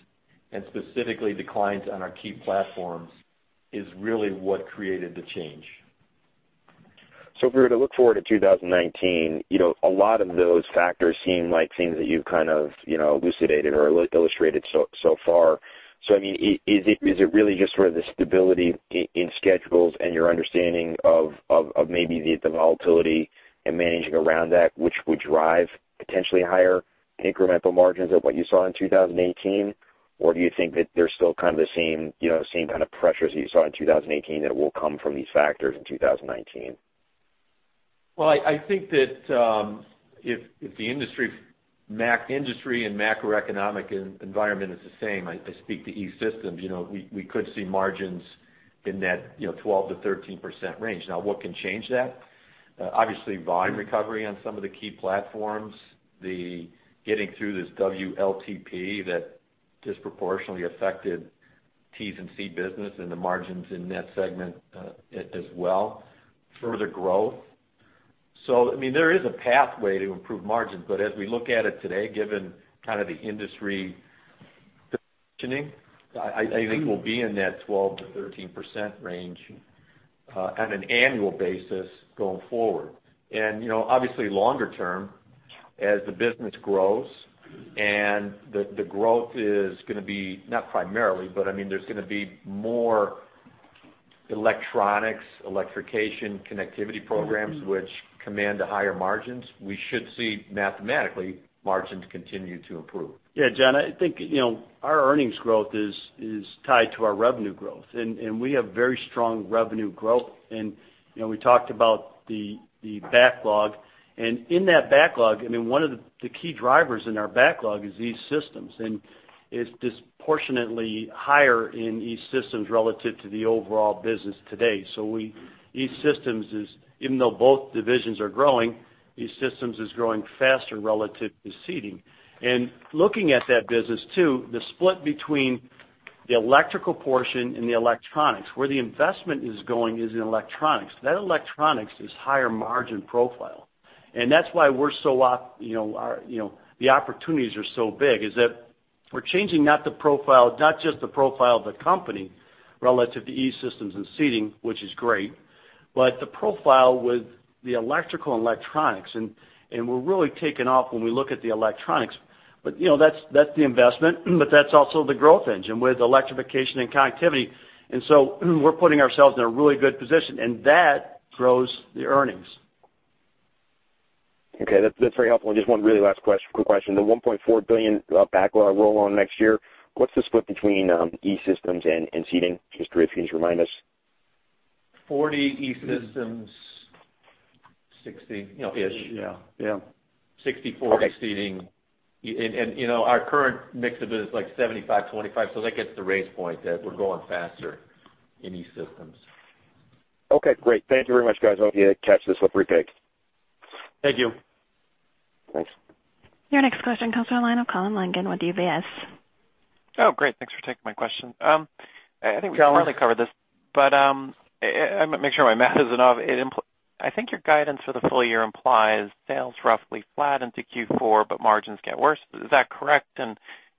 D: and specifically declines on our key platforms is really what created the change.
G: If we were to look forward to 2019, a lot of those factors seem like things that you've kind of elucidated or illustrated so far. I mean, is it really just sort of the stability in schedules and your understanding of maybe the volatility and managing around that which would drive potentially higher incremental margins of what you saw in 2018? Or do you think that there's still kind of the same kind of pressures that you saw in 2018 that will come from these factors in 2019?
D: I think that if the industry and macroeconomic environment is the same, I speak to E-Systems, we could see margins in that 12%-13% range. Now, what can change that? Obviously, volume recovery on some of the key platforms, the getting through this WLTP that disproportionately affected T&C business and the margins in that segment as well, further growth. I mean, there is a pathway to improve margins, but as we look at it today, given kind of the industry positioning, I think we'll be in that 12%-13% range on an annual basis going forward. Obviously longer term, as the business grows and the growth is going to be, not primarily, but I mean, there's going to be more electronics, electrification, connectivity programs which command the higher margins, we should see mathematically margins continue to improve.
C: John, I think our earnings growth is tied to our revenue growth, we have very strong revenue growth. We talked about the backlog, and in that backlog, I mean, one of the key drivers in our backlog is E-Systems, and it's disproportionately higher in E-Systems relative to the overall business today. Even though both divisions are growing, E-Systems is growing faster relative to Seating. Looking at that business too, the split between the electrical portion and the electronics, where the investment is going is in electronics. That electronics is higher margin profile. That's why the opportunities are so big, is that we're changing not just the profile of the company relative to E-Systems and Seating, which is great, but the profile with the electrical and electronics. We're really taking off when we look at the electronics. That's the investment, but that's also the growth engine with electrification and connectivity. We're putting ourselves in a really good position, and that grows the earnings.
G: Okay, that's very helpful. Just one really last quick question. The $1.4 billion backlog roll on next year, what's the split between E-Systems and Seating? Just curious if you can just remind us.
D: 40% E-Systems, 60%-ish.
C: Yeah.
D: 64% Seating.
G: Okay.
D: Our current mix of it is like 75/25, that gets to Ray's point that we're going faster in E-Systems.
G: Okay, great. Thank you very much, guys. Hope you catch this [up retake].
D: Thank you.
G: Thanks.
A: Your next question comes from the line of Colin Langan with UBS.
H: Oh, great. Thanks for taking my question.
D: Colin.
H: I think we probably covered this. I'm going to make sure my math is enough. I think your guidance for the full year implies sales roughly flat into Q4. Margins get worse. Is that correct?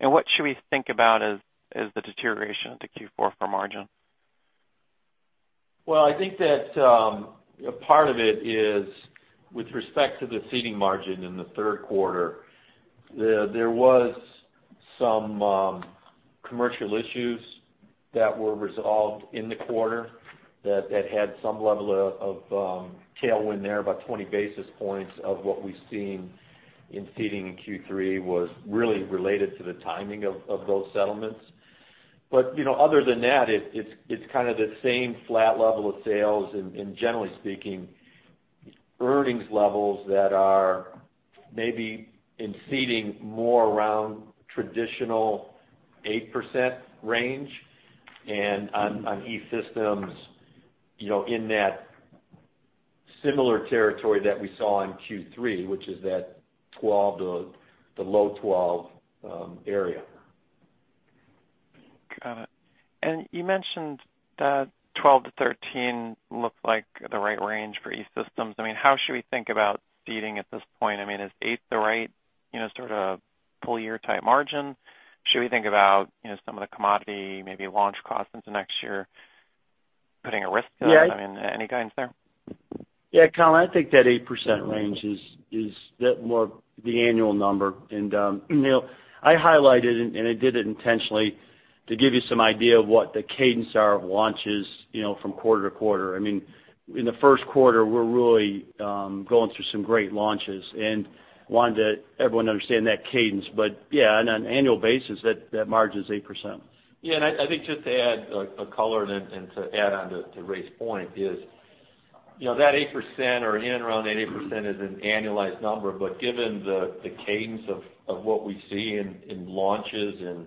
H: What should we think about as the deterioration into Q4 for margin?
D: Well, I think that a part of it is with respect to the Seating margin in the third quarter, there were some commercial issues that were resolved in the quarter that had some level of tailwind there, about 20 basis points of what we've seen in Seating in Q3 was really related to the timing of those settlements. Other than that, it's the same flat level of sales and generally speaking, earnings levels that are maybe in Seating more around traditional eight percent range and on E-Systems, in that similar territory that we saw in Q3, which is that 12 to the low 12 area.
H: Got it. You mentioned that 12 to 13 looked like the right range for E-Systems. How should we think about Seating at this point? Is eight the right sort of full year type margin? Should we think about some of the commodity, maybe launch costs into next year putting a risk to it?
C: Yeah.
H: Any guidance there?
C: Colin, I think that 8% range is more the annual number. I highlighted it, and I did it intentionally to give you some idea of what the cadence are of launches from quarter to quarter. In the first quarter, we're really going through some great launches and wanted everyone to understand that cadence. On an annual basis, that margin is 8%.
D: I think just to add a color and to add on to Ray's point is that 8% or in and around 8% is an annualized number. Given the cadence of what we see in launches and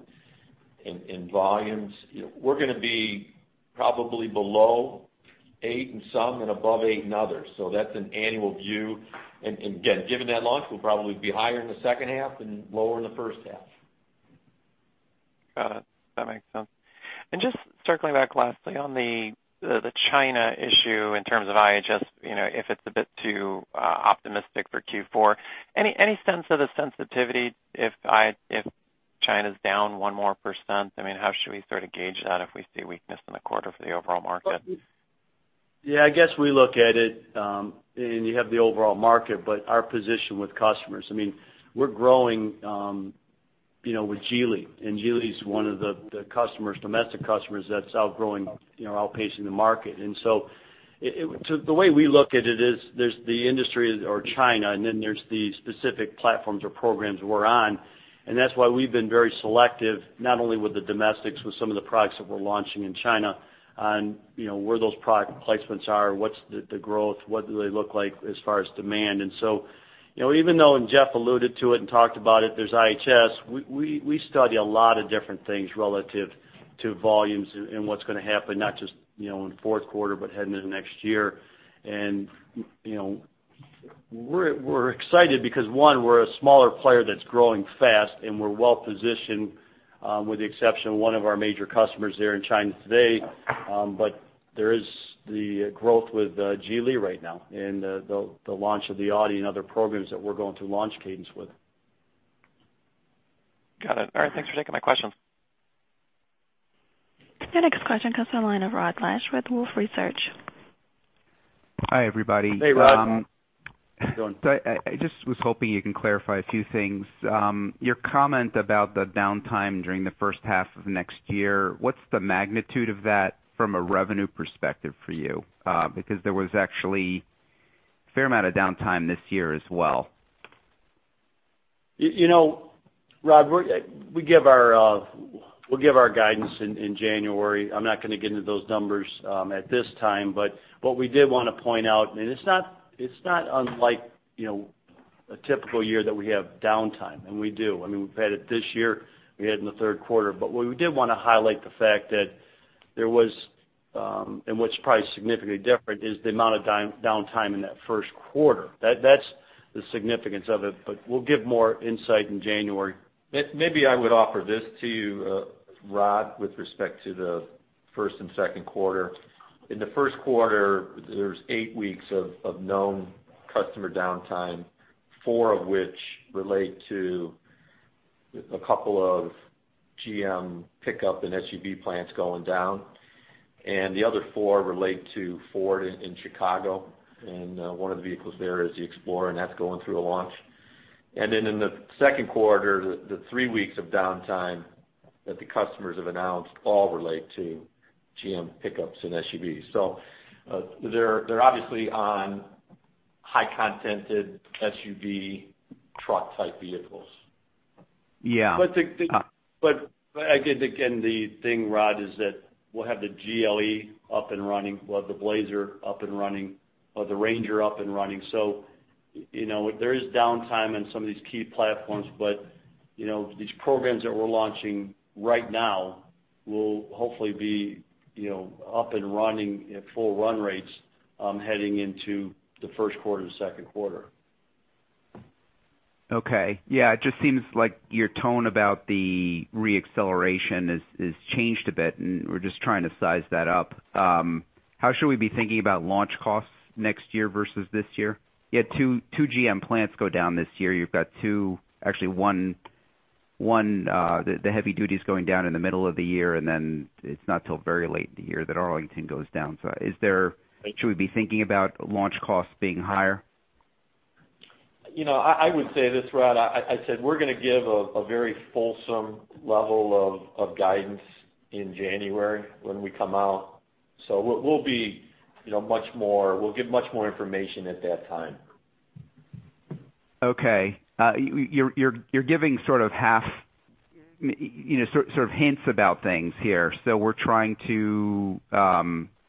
D: volumes, we're going to be probably below 8% in some and above 8% in others. That's an annual view. Again, given that launch, we'll probably be higher in the second half than lower in the first half.
H: Got it. That makes sense. Just circling back lastly on the China issue in terms of IHS, if it's a bit too optimistic for Q4, any sense of the sensitivity if China's down 1% more? How should we sort of gauge that if we see weakness in the quarter for the overall market?
C: Yeah, I guess we look at it, and you have the overall market, but our position with customers. We're growing with Geely, and Geely's one of the domestic customers that's outgrowing, outpacing the market. The way we look at it is there's the industry or China, then there's the specific platforms or programs we're on. That's why we've been very selective, not only with the domestics, with some of the products that we're launching in China on where those product placements are, what's the growth, what do they look like as far as demand. Even though, and Jeff alluded to it and talked about it, there's IHS, we study a lot of different things relative to volumes and what's going to happen, not just in the fourth quarter, but heading into next year. We're excited because one, we're a smaller player that's growing fast, and we're well-positioned, with the exception of one of our major customers there in China today. There is the growth with Geely right now and the launch of the Audi and other programs that we're going to launch cadence with.
H: Got it. All right. Thanks for taking my questions.
A: Our next question comes from the line of Rod Lache with Wolfe Research.
I: Hi, everybody.
D: Hey, Rod. How's it going?
I: I just was hoping you can clarify a few things. Your comment about the downtime during the first half of next year, what's the magnitude of that from a revenue perspective for you? Because there was actually a fair amount of downtime this year as well.
C: Rod, we'll give our guidance in January. I'm not going to get into those numbers at this time. What we did want to point out, and it's not unlike a typical year that we have downtime, and we do. We've had it this year, we had in the third quarter. What we did want to highlight the fact that there was, and what's probably significantly different, is the amount of downtime in that first quarter. That's the significance of it, but we'll give more insight in January.
D: Maybe I would offer this to you, Rod, with respect to the first and second quarter. In the first quarter, there's eight weeks of known customer downtime, four of which relate to a couple of GM pickup and SUV plants going down, and the other four relate to Ford in Chicago. One of the vehicles there is the Explorer, and that's going through a launch. In the second quarter, the three weeks of downtime that the customers have announced all relate to GM pickups and SUVs. They're obviously on high-contented SUV truck type vehicles.
I: Yeah.
C: Again, the thing, Rod, is that we'll have the GLE up and running. We'll have the Blazer up and running or the Ranger up and running. There is downtime in some of these key platforms, but these programs that we're launching right now will hopefully be up and running at full run rates heading into the first quarter, second quarter.
I: Okay. Yeah, it just seems like your tone about the re-acceleration has changed a bit, and we're just trying to size that up. How should we be thinking about launch costs next year versus this year? You had two GM plants go down this year. You've got two, actually one, the heavy duty's going down in the middle of the year, and then it's not till very late in the year that Arlington goes down. Should we be thinking about launch costs being higher?
D: I would say this, Rod. I said we're going to give a very fulsome level of guidance in January when we come out. We'll give much more information at that time.
I: Okay. You're giving sort of hints about things here. We're trying to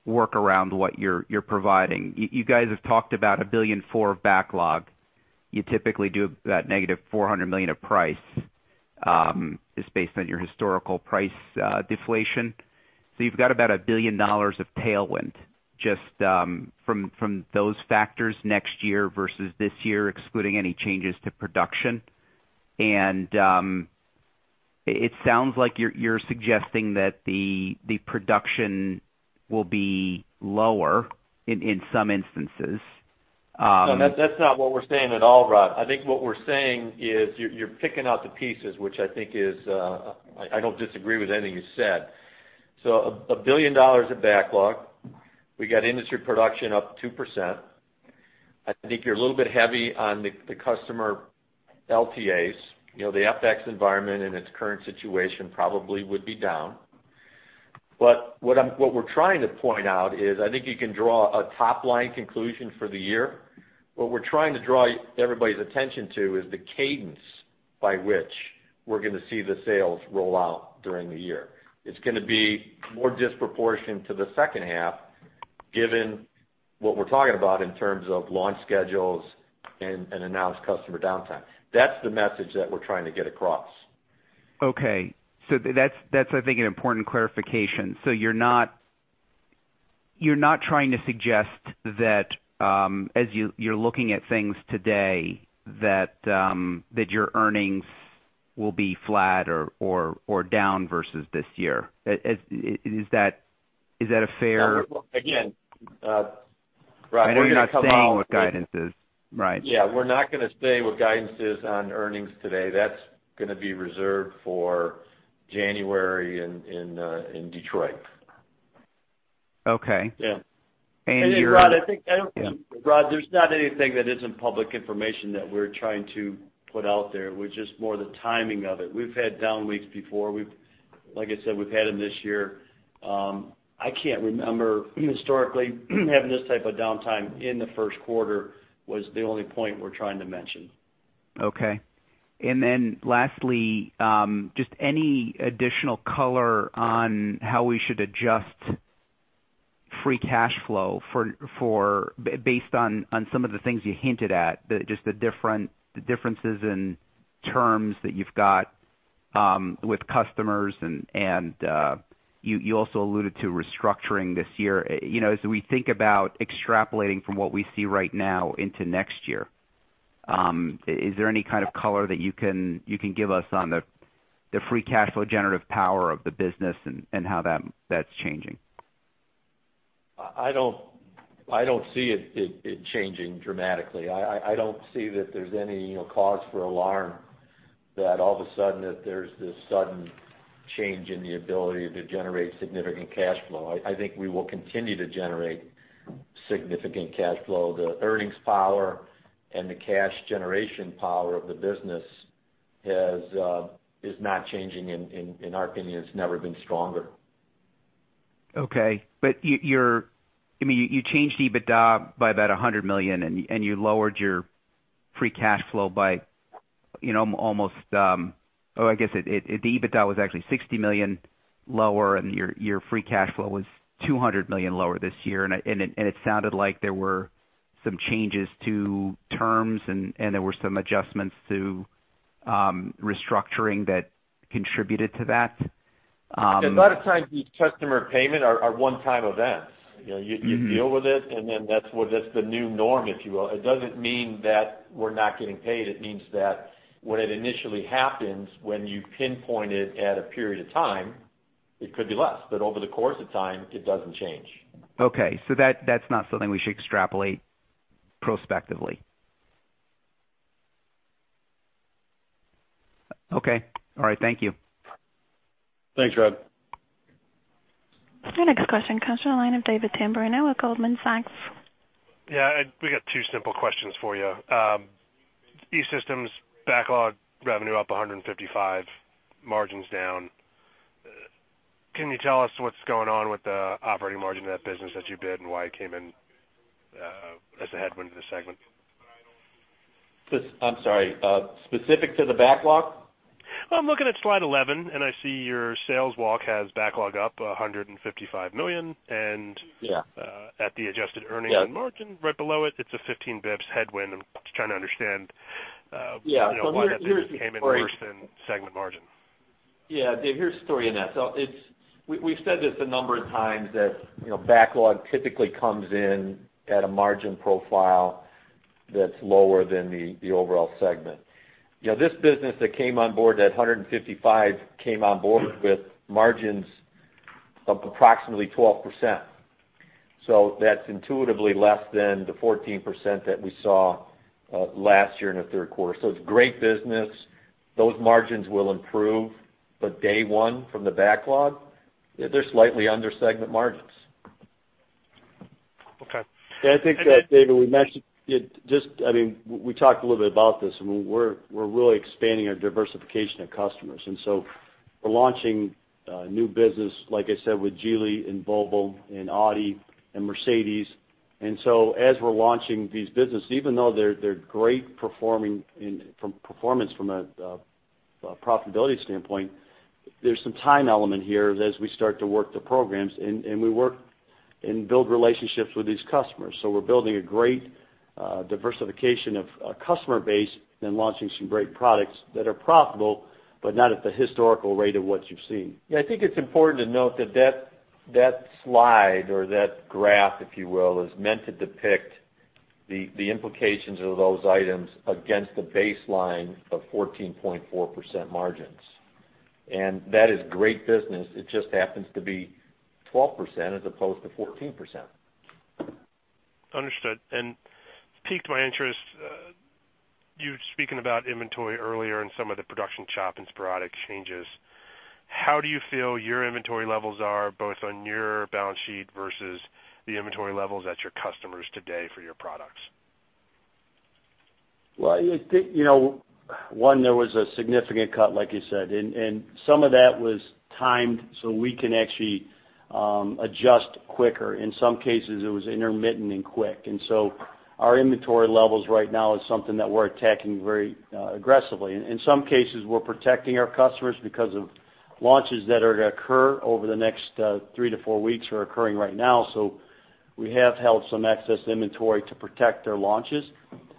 I: work around what you're providing. You guys have talked about a $1.4 billion of backlog. You typically do that -$400 million of price. Just based on your historical price deflation. You've got about a $1 billion of tailwind just from those factors next year versus this year, excluding any changes to production. It sounds like you're suggesting that the production will be lower in some instances.
D: No, that's not what we're saying at all, Rod. I think what we're saying is you're picking out the pieces, which I don't disagree with anything you said. A $1 billion of backlog. We got industry production up 2%. I think you're a little bit heavy on the customer LTAs. The FX environment in its current situation probably would be down. What we're trying to point out is, I think you can draw a top-line conclusion for the year. What we're trying to draw everybody's attention to is the cadence by which we're going to see the sales roll out during the year. It's going to be more disproportionate to the second half, given what we're talking about in terms of launch schedules and announced customer downtime. That's the message that we're trying to get across.
I: Okay. That's I think an important clarification. You're not trying to suggest that as you're looking at things today, that your earnings will be flat or down versus this year. Is that a fair-
D: Again Rod, we're going to come out with-
I: I know you're not saying what guidance is. Right.
D: Yeah, we're not going to say what guidance is on earnings today. That's going to be reserved for January in Detroit.
I: Okay.
D: Yeah.
I: you're-
D: Rod, I think-
I: Yeah.
D: Rod, there's not anything that isn't public information that we're trying to put out there. It was just more the timing of it. We've had down weeks before. Like I said, we've had them this year. I can't remember historically, having this type of downtime in the first quarter was the only point we're trying to mention.
I: Okay. Lastly, just any additional color on how we should adjust free cash flow based on some of the things you hinted at, just the differences in terms that you've got with customers and you also alluded to restructuring this year. As we think about extrapolating from what we see right now into next year, is there any kind of color that you can give us on the free cash flow generative power of the business and how that's changing?
D: I don't see it changing dramatically. I don't see that there's any cause for alarm that all of a sudden, that there's this sudden change in the ability to generate significant cash flow. I think we will continue to generate significant cash flow. The earnings power and the cash generation power of the business is not changing. In our opinion, it's never been stronger.
I: Okay. You changed EBITDA by about $100 million, and you lowered your free cash flow by almost I guess the EBITDA was actually $60 million lower, and your free cash flow was $200 million lower this year, it sounded like there were some changes to terms, and there were some adjustments to restructuring that contributed to that.
D: A lot of times these customer payments are one-time events. You deal with it, then that's the new norm, if you will. It doesn't mean that we're not getting paid. It means that when it initially happens, when you pinpoint it at a period of time, it could be less. Over the course of time, it doesn't change.
I: Okay, that's not something we should extrapolate prospectively. Okay. All right. Thank you.
D: Thanks, Rod.
A: Your next question comes from the line of David Tamberrino with Goldman Sachs.
J: Yeah, we got two simple questions for you. E-Systems backlog revenue up $155, margins down. Can you tell us what's going on with the operating margin of that business that you bid and why it came in as a headwind to the segment?
D: I'm sorry, specific to the backlog?
J: I'm looking at slide 11, and I see your sales walk has backlog up $155 million.
D: Yeah
J: at the adjusted earnings margin right below it's a 15 basis points headwind. I'm just trying to understand.
D: Yeah. Here's the story.
J: Why that business came in worse than segment margin?
D: Yeah. Dave, here's the story in that. We've said this a number of times that backlog typically comes in at a margin profile that's lower than the overall segment. This business that came on board, that 155, came on board with margins of approximately 12%. That's intuitively less than the 14% that we saw last year in the third quarter. It's great business. Those margins will improve, but day one from the backlog, they're slightly under segment margins.
J: Okay.
C: I think that, David, we mentioned it, we talked a little bit about this. We're really expanding our diversification of customers. We're launching new business, like I said, with Geely and Volvo and Audi and Mercedes-Benz. As we're launching these businesses, even though they're great performing in performance from a profitability standpoint, there's some time element here as we start to work the programs and we work and build relationships with these customers. We're building a great diversification of customer base and launching some great products that are profitable, but not at the historical rate of what you've seen.
D: I think it's important to note that slide or that graph, if you will, is meant to depict the implications of those items against the baseline of 14.4% margins. That is great business. It just happens to be 12% as opposed to 14%.
J: Understood. Piqued my interest, you speaking about inventory earlier and some of the production chop and sporadic changes, how do you feel your inventory levels are both on your balance sheet versus the inventory levels at your customers today for your products?
C: I think, one, there was a significant cut, like you said, and some of that was timed so we can actually adjust quicker. In some cases, it was intermittent and quick. Our inventory levels right now is something that we're attacking very aggressively. In some cases, we're protecting our customers because of launches that are going to occur over the next three to four weeks or occurring right now, so we have held some excess inventory to protect their launches.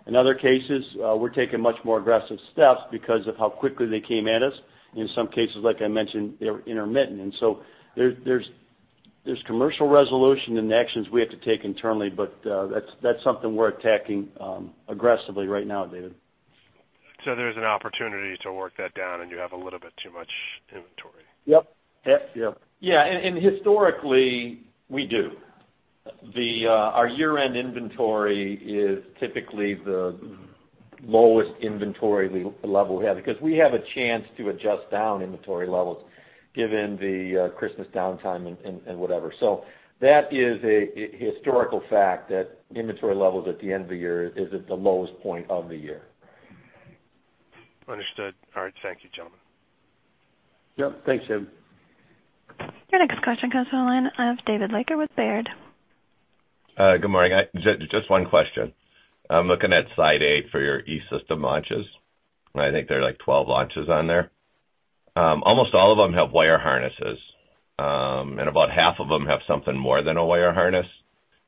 C: In other cases, we're taking much more aggressive steps because of how quickly they came at us. In some cases, like I mentioned, they were intermittent. There's commercial resolution and actions we have to take internally, but that's something we're attacking aggressively right now, David.
J: There's an opportunity to work that down, and you have a little bit too much inventory.
C: Yep.
D: Yeah, historically, we do. Our year-end inventory is typically the lowest inventory level we have because we have a chance to adjust down inventory levels given the Christmas downtime and whatever. That is a historical fact that inventory levels at the end of the year is at the lowest point of the year.
J: Understood. All right. Thank you, gentlemen.
C: Yep. Thanks, David.
A: Your next question comes on the line of David Leiker with Baird.
K: Good morning. Just one question. I'm looking at slide eight for your E-Systems launches, and I think there are 12 launches on there. Almost all of them have wire harnesses, and about half of them have something more than a wire harness.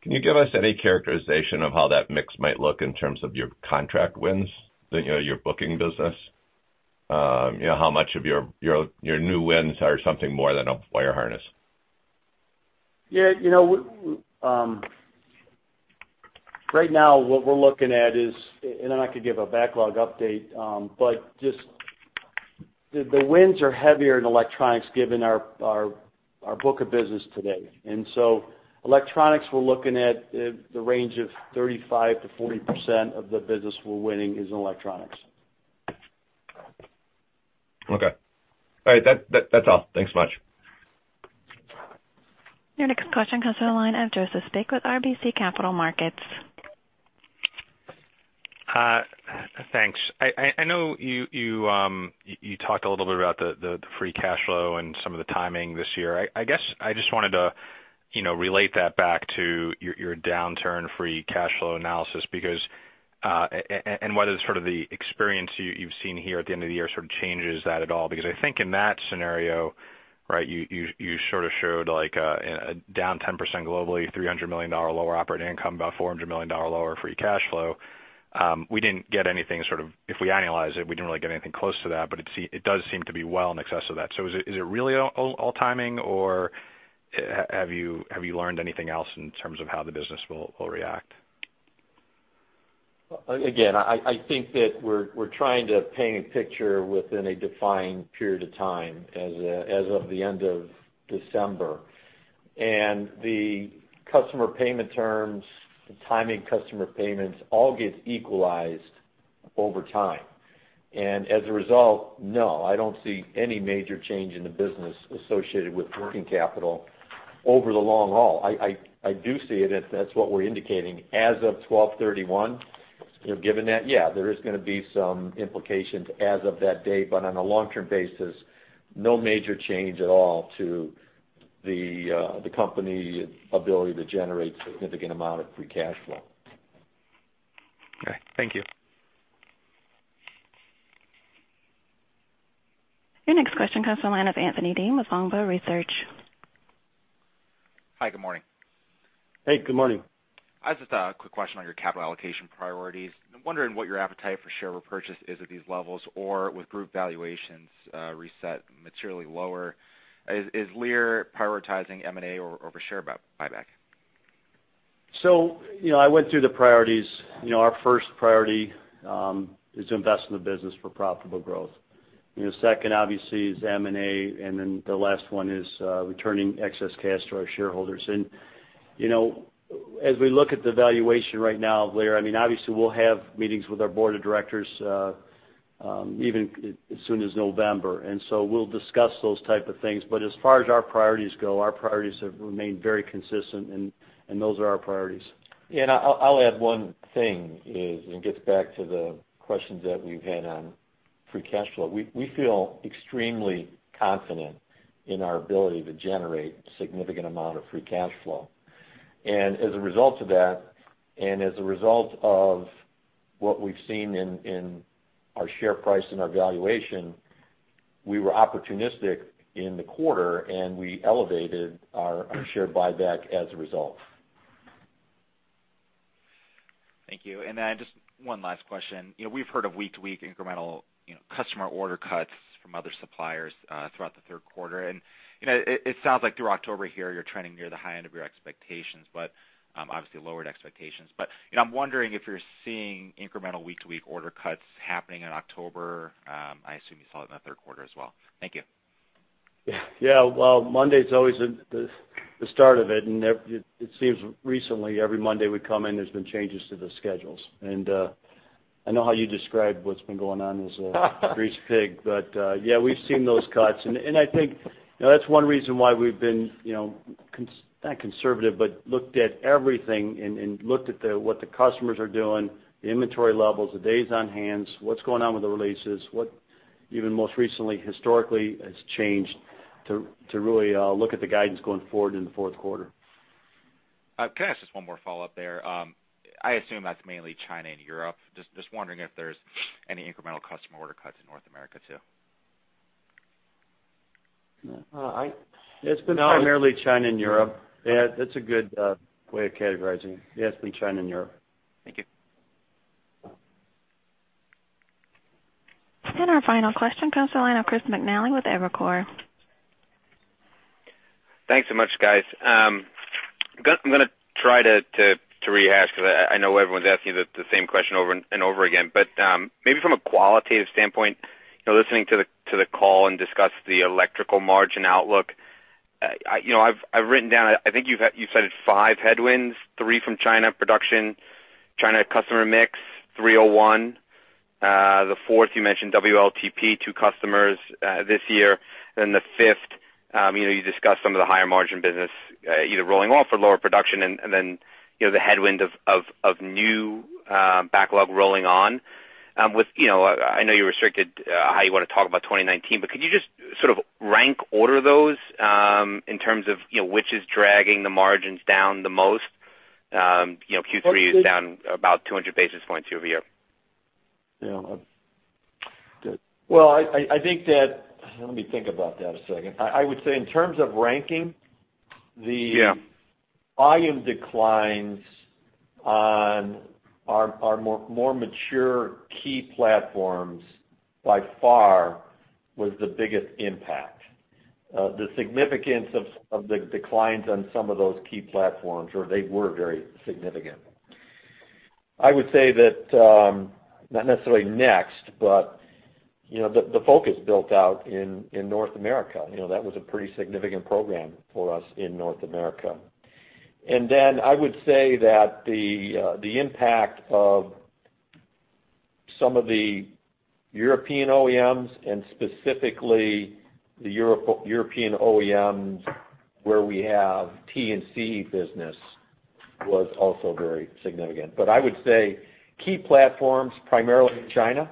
K: Can you give us any characterization of how that mix might look in terms of your contract wins, your booking business? How much of your new wins are something more than a wire harness?
C: Yeah. Right now, what we're looking at is. I could give a backlog update, but just the wins are heavier in electronics given our book of business today. Electronics, we're looking at the range of 35%-40% of the business we're winning is in electronics.
K: Okay. All right. That's all. Thanks so much.
A: Your next question comes on the line of Joseph Spak with RBC Capital Markets.
L: Thanks. I know you talked a little bit about the free cash flow and some of the timing this year. I guess I just wanted to relate that back to your downturn-free cash flow analysis because whether sort of the experience you've seen here at the end of the year sort of changes that at all, because I think in that scenario, you sort of showed like a down 10% globally, $300 million lower operating income, about $400 million lower free cash flow. We didn't get anything sort of, if we analyze it, we didn't really get anything close to that, but it does seem to be well in excess of that. Is it really all timing, or have you learned anything else in terms of how the business will react?
D: Again, I think that we're trying to paint a picture within a defined period of time as of the end of December. The customer payment terms, the timing customer payments, all get equalized over time. As a result, no, I don't see any major change in the business associated with working capital over the long haul. I do see it, if that's what we're indicating as of 12/31, given that, yeah, there is going to be some implications as of that date, but on a long-term basis, no major change at all to the company ability to generate significant amount of free cash flow.
L: Okay. Thank you.
A: Your next question comes to the line of Anthony Deem with Longbow Research.
M: Hi. Good morning.
C: Hey, good morning.
M: I just thought a quick question on your capital allocation priorities. I'm wondering what your appetite for share repurchase is at these levels or with group valuations reset materially lower. Is Lear prioritizing M&A over share buyback?
C: I went through the priorities. Our first priority is to invest in the business for profitable growth. Second obviously is M&A, and then the last one is returning excess cash to our shareholders. As we look at the valuation right now of Lear, obviously we'll have meetings with our board of directors even as soon as November. We'll discuss those type of things. As far as our priorities go, our priorities have remained very consistent, and those are our priorities.
D: I'll add one thing. It gets back to the questions that we've had on free cash flow. We feel extremely confident in our ability to generate significant amount of free cash flow. As a result of that, and as a result of what we've seen in our share price and our valuation, we were opportunistic in the quarter, and we elevated our share buyback as a result.
M: Thank you. Just one last question. We've heard of week-to-week incremental customer order cuts from other suppliers throughout the third quarter. It sounds like through October here, you're trending near the high end of your expectations, but obviously lowered expectations. I'm wondering if you're seeing incremental week-to-week order cuts happening in October. I assume you saw it in the third quarter as well. Thank you.
C: Well, Monday's always the start of it, and it seems recently every Monday we come in, there's been changes to the schedules. I know how you describe what's been going on as a greased pig. We've seen those cuts, and I think that's one reason why we've been, not conservative, but looked at everything and looked at what the customers are doing, the inventory levels, the days on hand, what's going on with the releases, what even most recently historically has changed to really look at the guidance going forward in the fourth quarter.
M: Can I ask just one more follow-up there? I assume that's mainly China and Europe. Just wondering if there's any incremental customer order cuts in North America, too.
C: It's been primarily China and Europe. Yeah, that's a good way of categorizing it. Yeah, it's been China and Europe.
M: Thank you.
A: Our final question comes to the line of Chris McNally with Evercore.
N: Thanks so much, guys. I'm going to try to rehash because I know everyone's asking the same question over and over again. Maybe from a qualitative standpoint, listening to the call and discuss the E-Systems margin outlook, I've written down, I think you've cited five headwinds, three from China production, China customer mix, Section 301. The fourth, you mentioned WLTP to customers this year. The fifth, you discussed some of the higher margin business either rolling off or lower production, and the headwind of new backlog rolling on. I know you restricted how you want to talk about 2019, could you just sort of rank order those in terms of which is dragging the margins down the most? Q3 is down about 200 basis points year over year.
D: Well, let me think about that a second. I would say in terms of ranking-
N: Yeah
D: the volume declines on our more mature key platforms by far was the biggest impact. The significance of the declines on some of those key platforms, they were very significant. I would say that, not necessarily next, the Focus built out in North America. That was a pretty significant program for us in North America. I would say that the impact of some of the European OEMs, and specifically the European OEMs where we have T&C business, was also very significant. I would say key platforms, primarily China-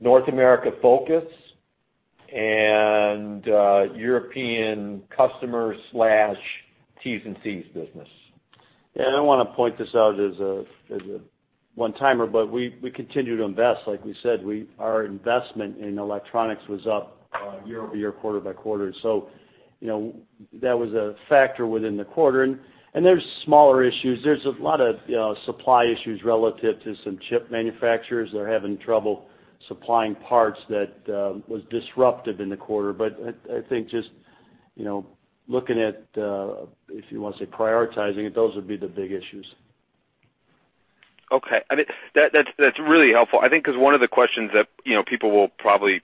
D: North America Focus, and European customer/T&C business.
C: I want to point this out as a one-timer. We continue to invest. Like we said, our investment in electronics was up year-over-year, quarter-over-quarter. That was a factor within the quarter. There's smaller issues. There's a lot of supply issues relative to some chip manufacturers that are having trouble supplying parts that was disruptive in the quarter. I think just looking at, if you want to say prioritizing it, those would be the big issues.
N: Okay. That's really helpful. I think because one of the questions that people will probably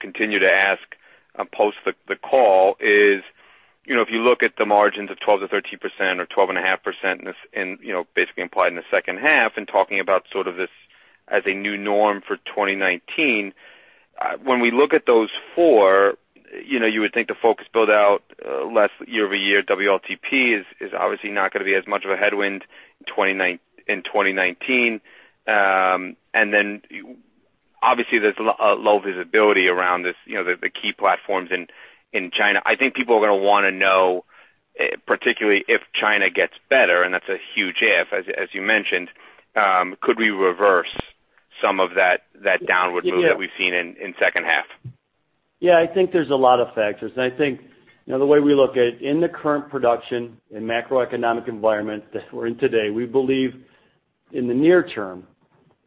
N: continue to ask post the call is, if you look at the margins of 12%-13% or 12.5%, implied in the second half and talking about sort of this as a new norm for 2019, when we look at those four, you would think the Focus build out less year-over-year, WLTP is obviously not going to be as much of a headwind in 2019. Obviously, there's low visibility around the key platforms in China. I think people are going to want to know, particularly if China gets better, that's a huge if, as you mentioned, could we reverse some of that downward move that we've seen in second half?
C: I think there's a lot of factors. I think the way we look at it, in the current production and macroeconomic environment that we're in today, we believe in the near term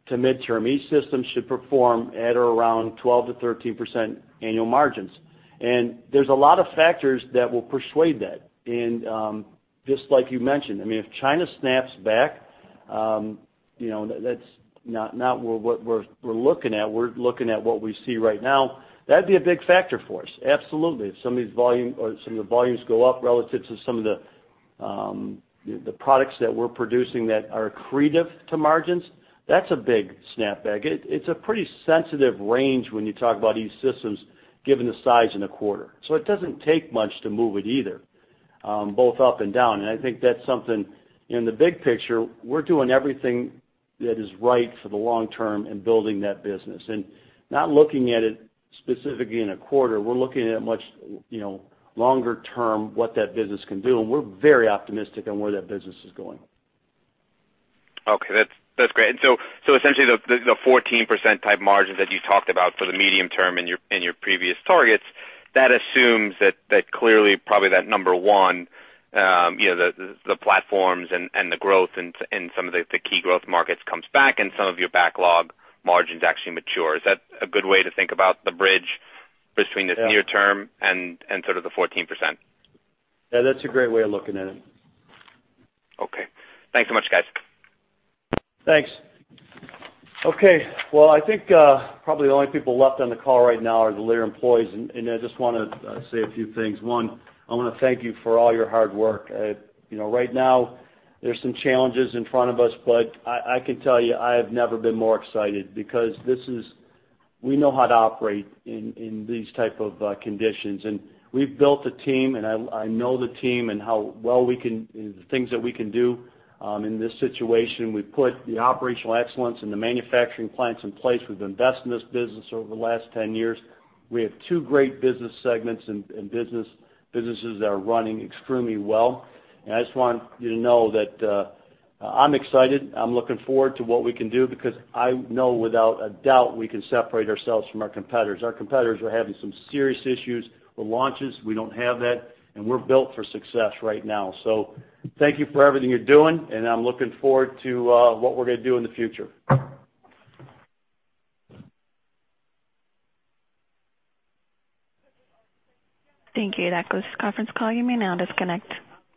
C: to midterm, E-Systems should perform at or around 12%-13% annual margins. There's a lot of factors that will persuade that. Just like you mentioned, if China snaps back, that's not what we're looking at. We're looking at what we see right now. That'd be a big factor for us, absolutely. If some of the volumes go up relative to some of the products that we're producing that are accretive to margins, that's a big snapback. It's a pretty sensitive range when you talk about these systems, given the size in a quarter. It doesn't take much to move it either, both up and down. I think that's something, in the big picture, we're doing everything that is right for the long term in building that business. Not looking at it specifically in a quarter, we're looking at much longer term what that business can do, and we're very optimistic on where that business is going.
N: Essentially, the 14%-type margins that you talked about for the medium term in your previous targets, that assumes that clearly, probably that number 1 the platforms and the growth in some of the key growth markets comes back and some of your backlog margins actually mature. Is that a good way to think about the bridge between the near term and sort of the 14%?
C: Yeah, that's a great way of looking at it.
N: Okay. Thanks so much, guys.
C: Thanks. Okay, well, I think probably the only people left on the call right now are the Lear employees, I just want to say a few things. 1, I want to thank you for all your hard work. Right now there's some challenges in front of us, but I can tell you I have never been more excited because we know how to operate in these type of conditions. We've built a team, I know the team and the things that we can do in this situation. We put the operational excellence and the manufacturing plants in place. We've invested in this business over the last 10 years. We have two great business segments and businesses that are running extremely well. I just want you to know that I'm excited. I'm looking forward to what we can do because I know without a doubt we can separate ourselves from our competitors. Our competitors are having some serious issues with launches. We don't have that, and we're built for success right now. Thank you for everything you're doing, and I'm looking forward to what we're going to do in the future.
A: Thank you. That closes this conference call. You may now disconnect.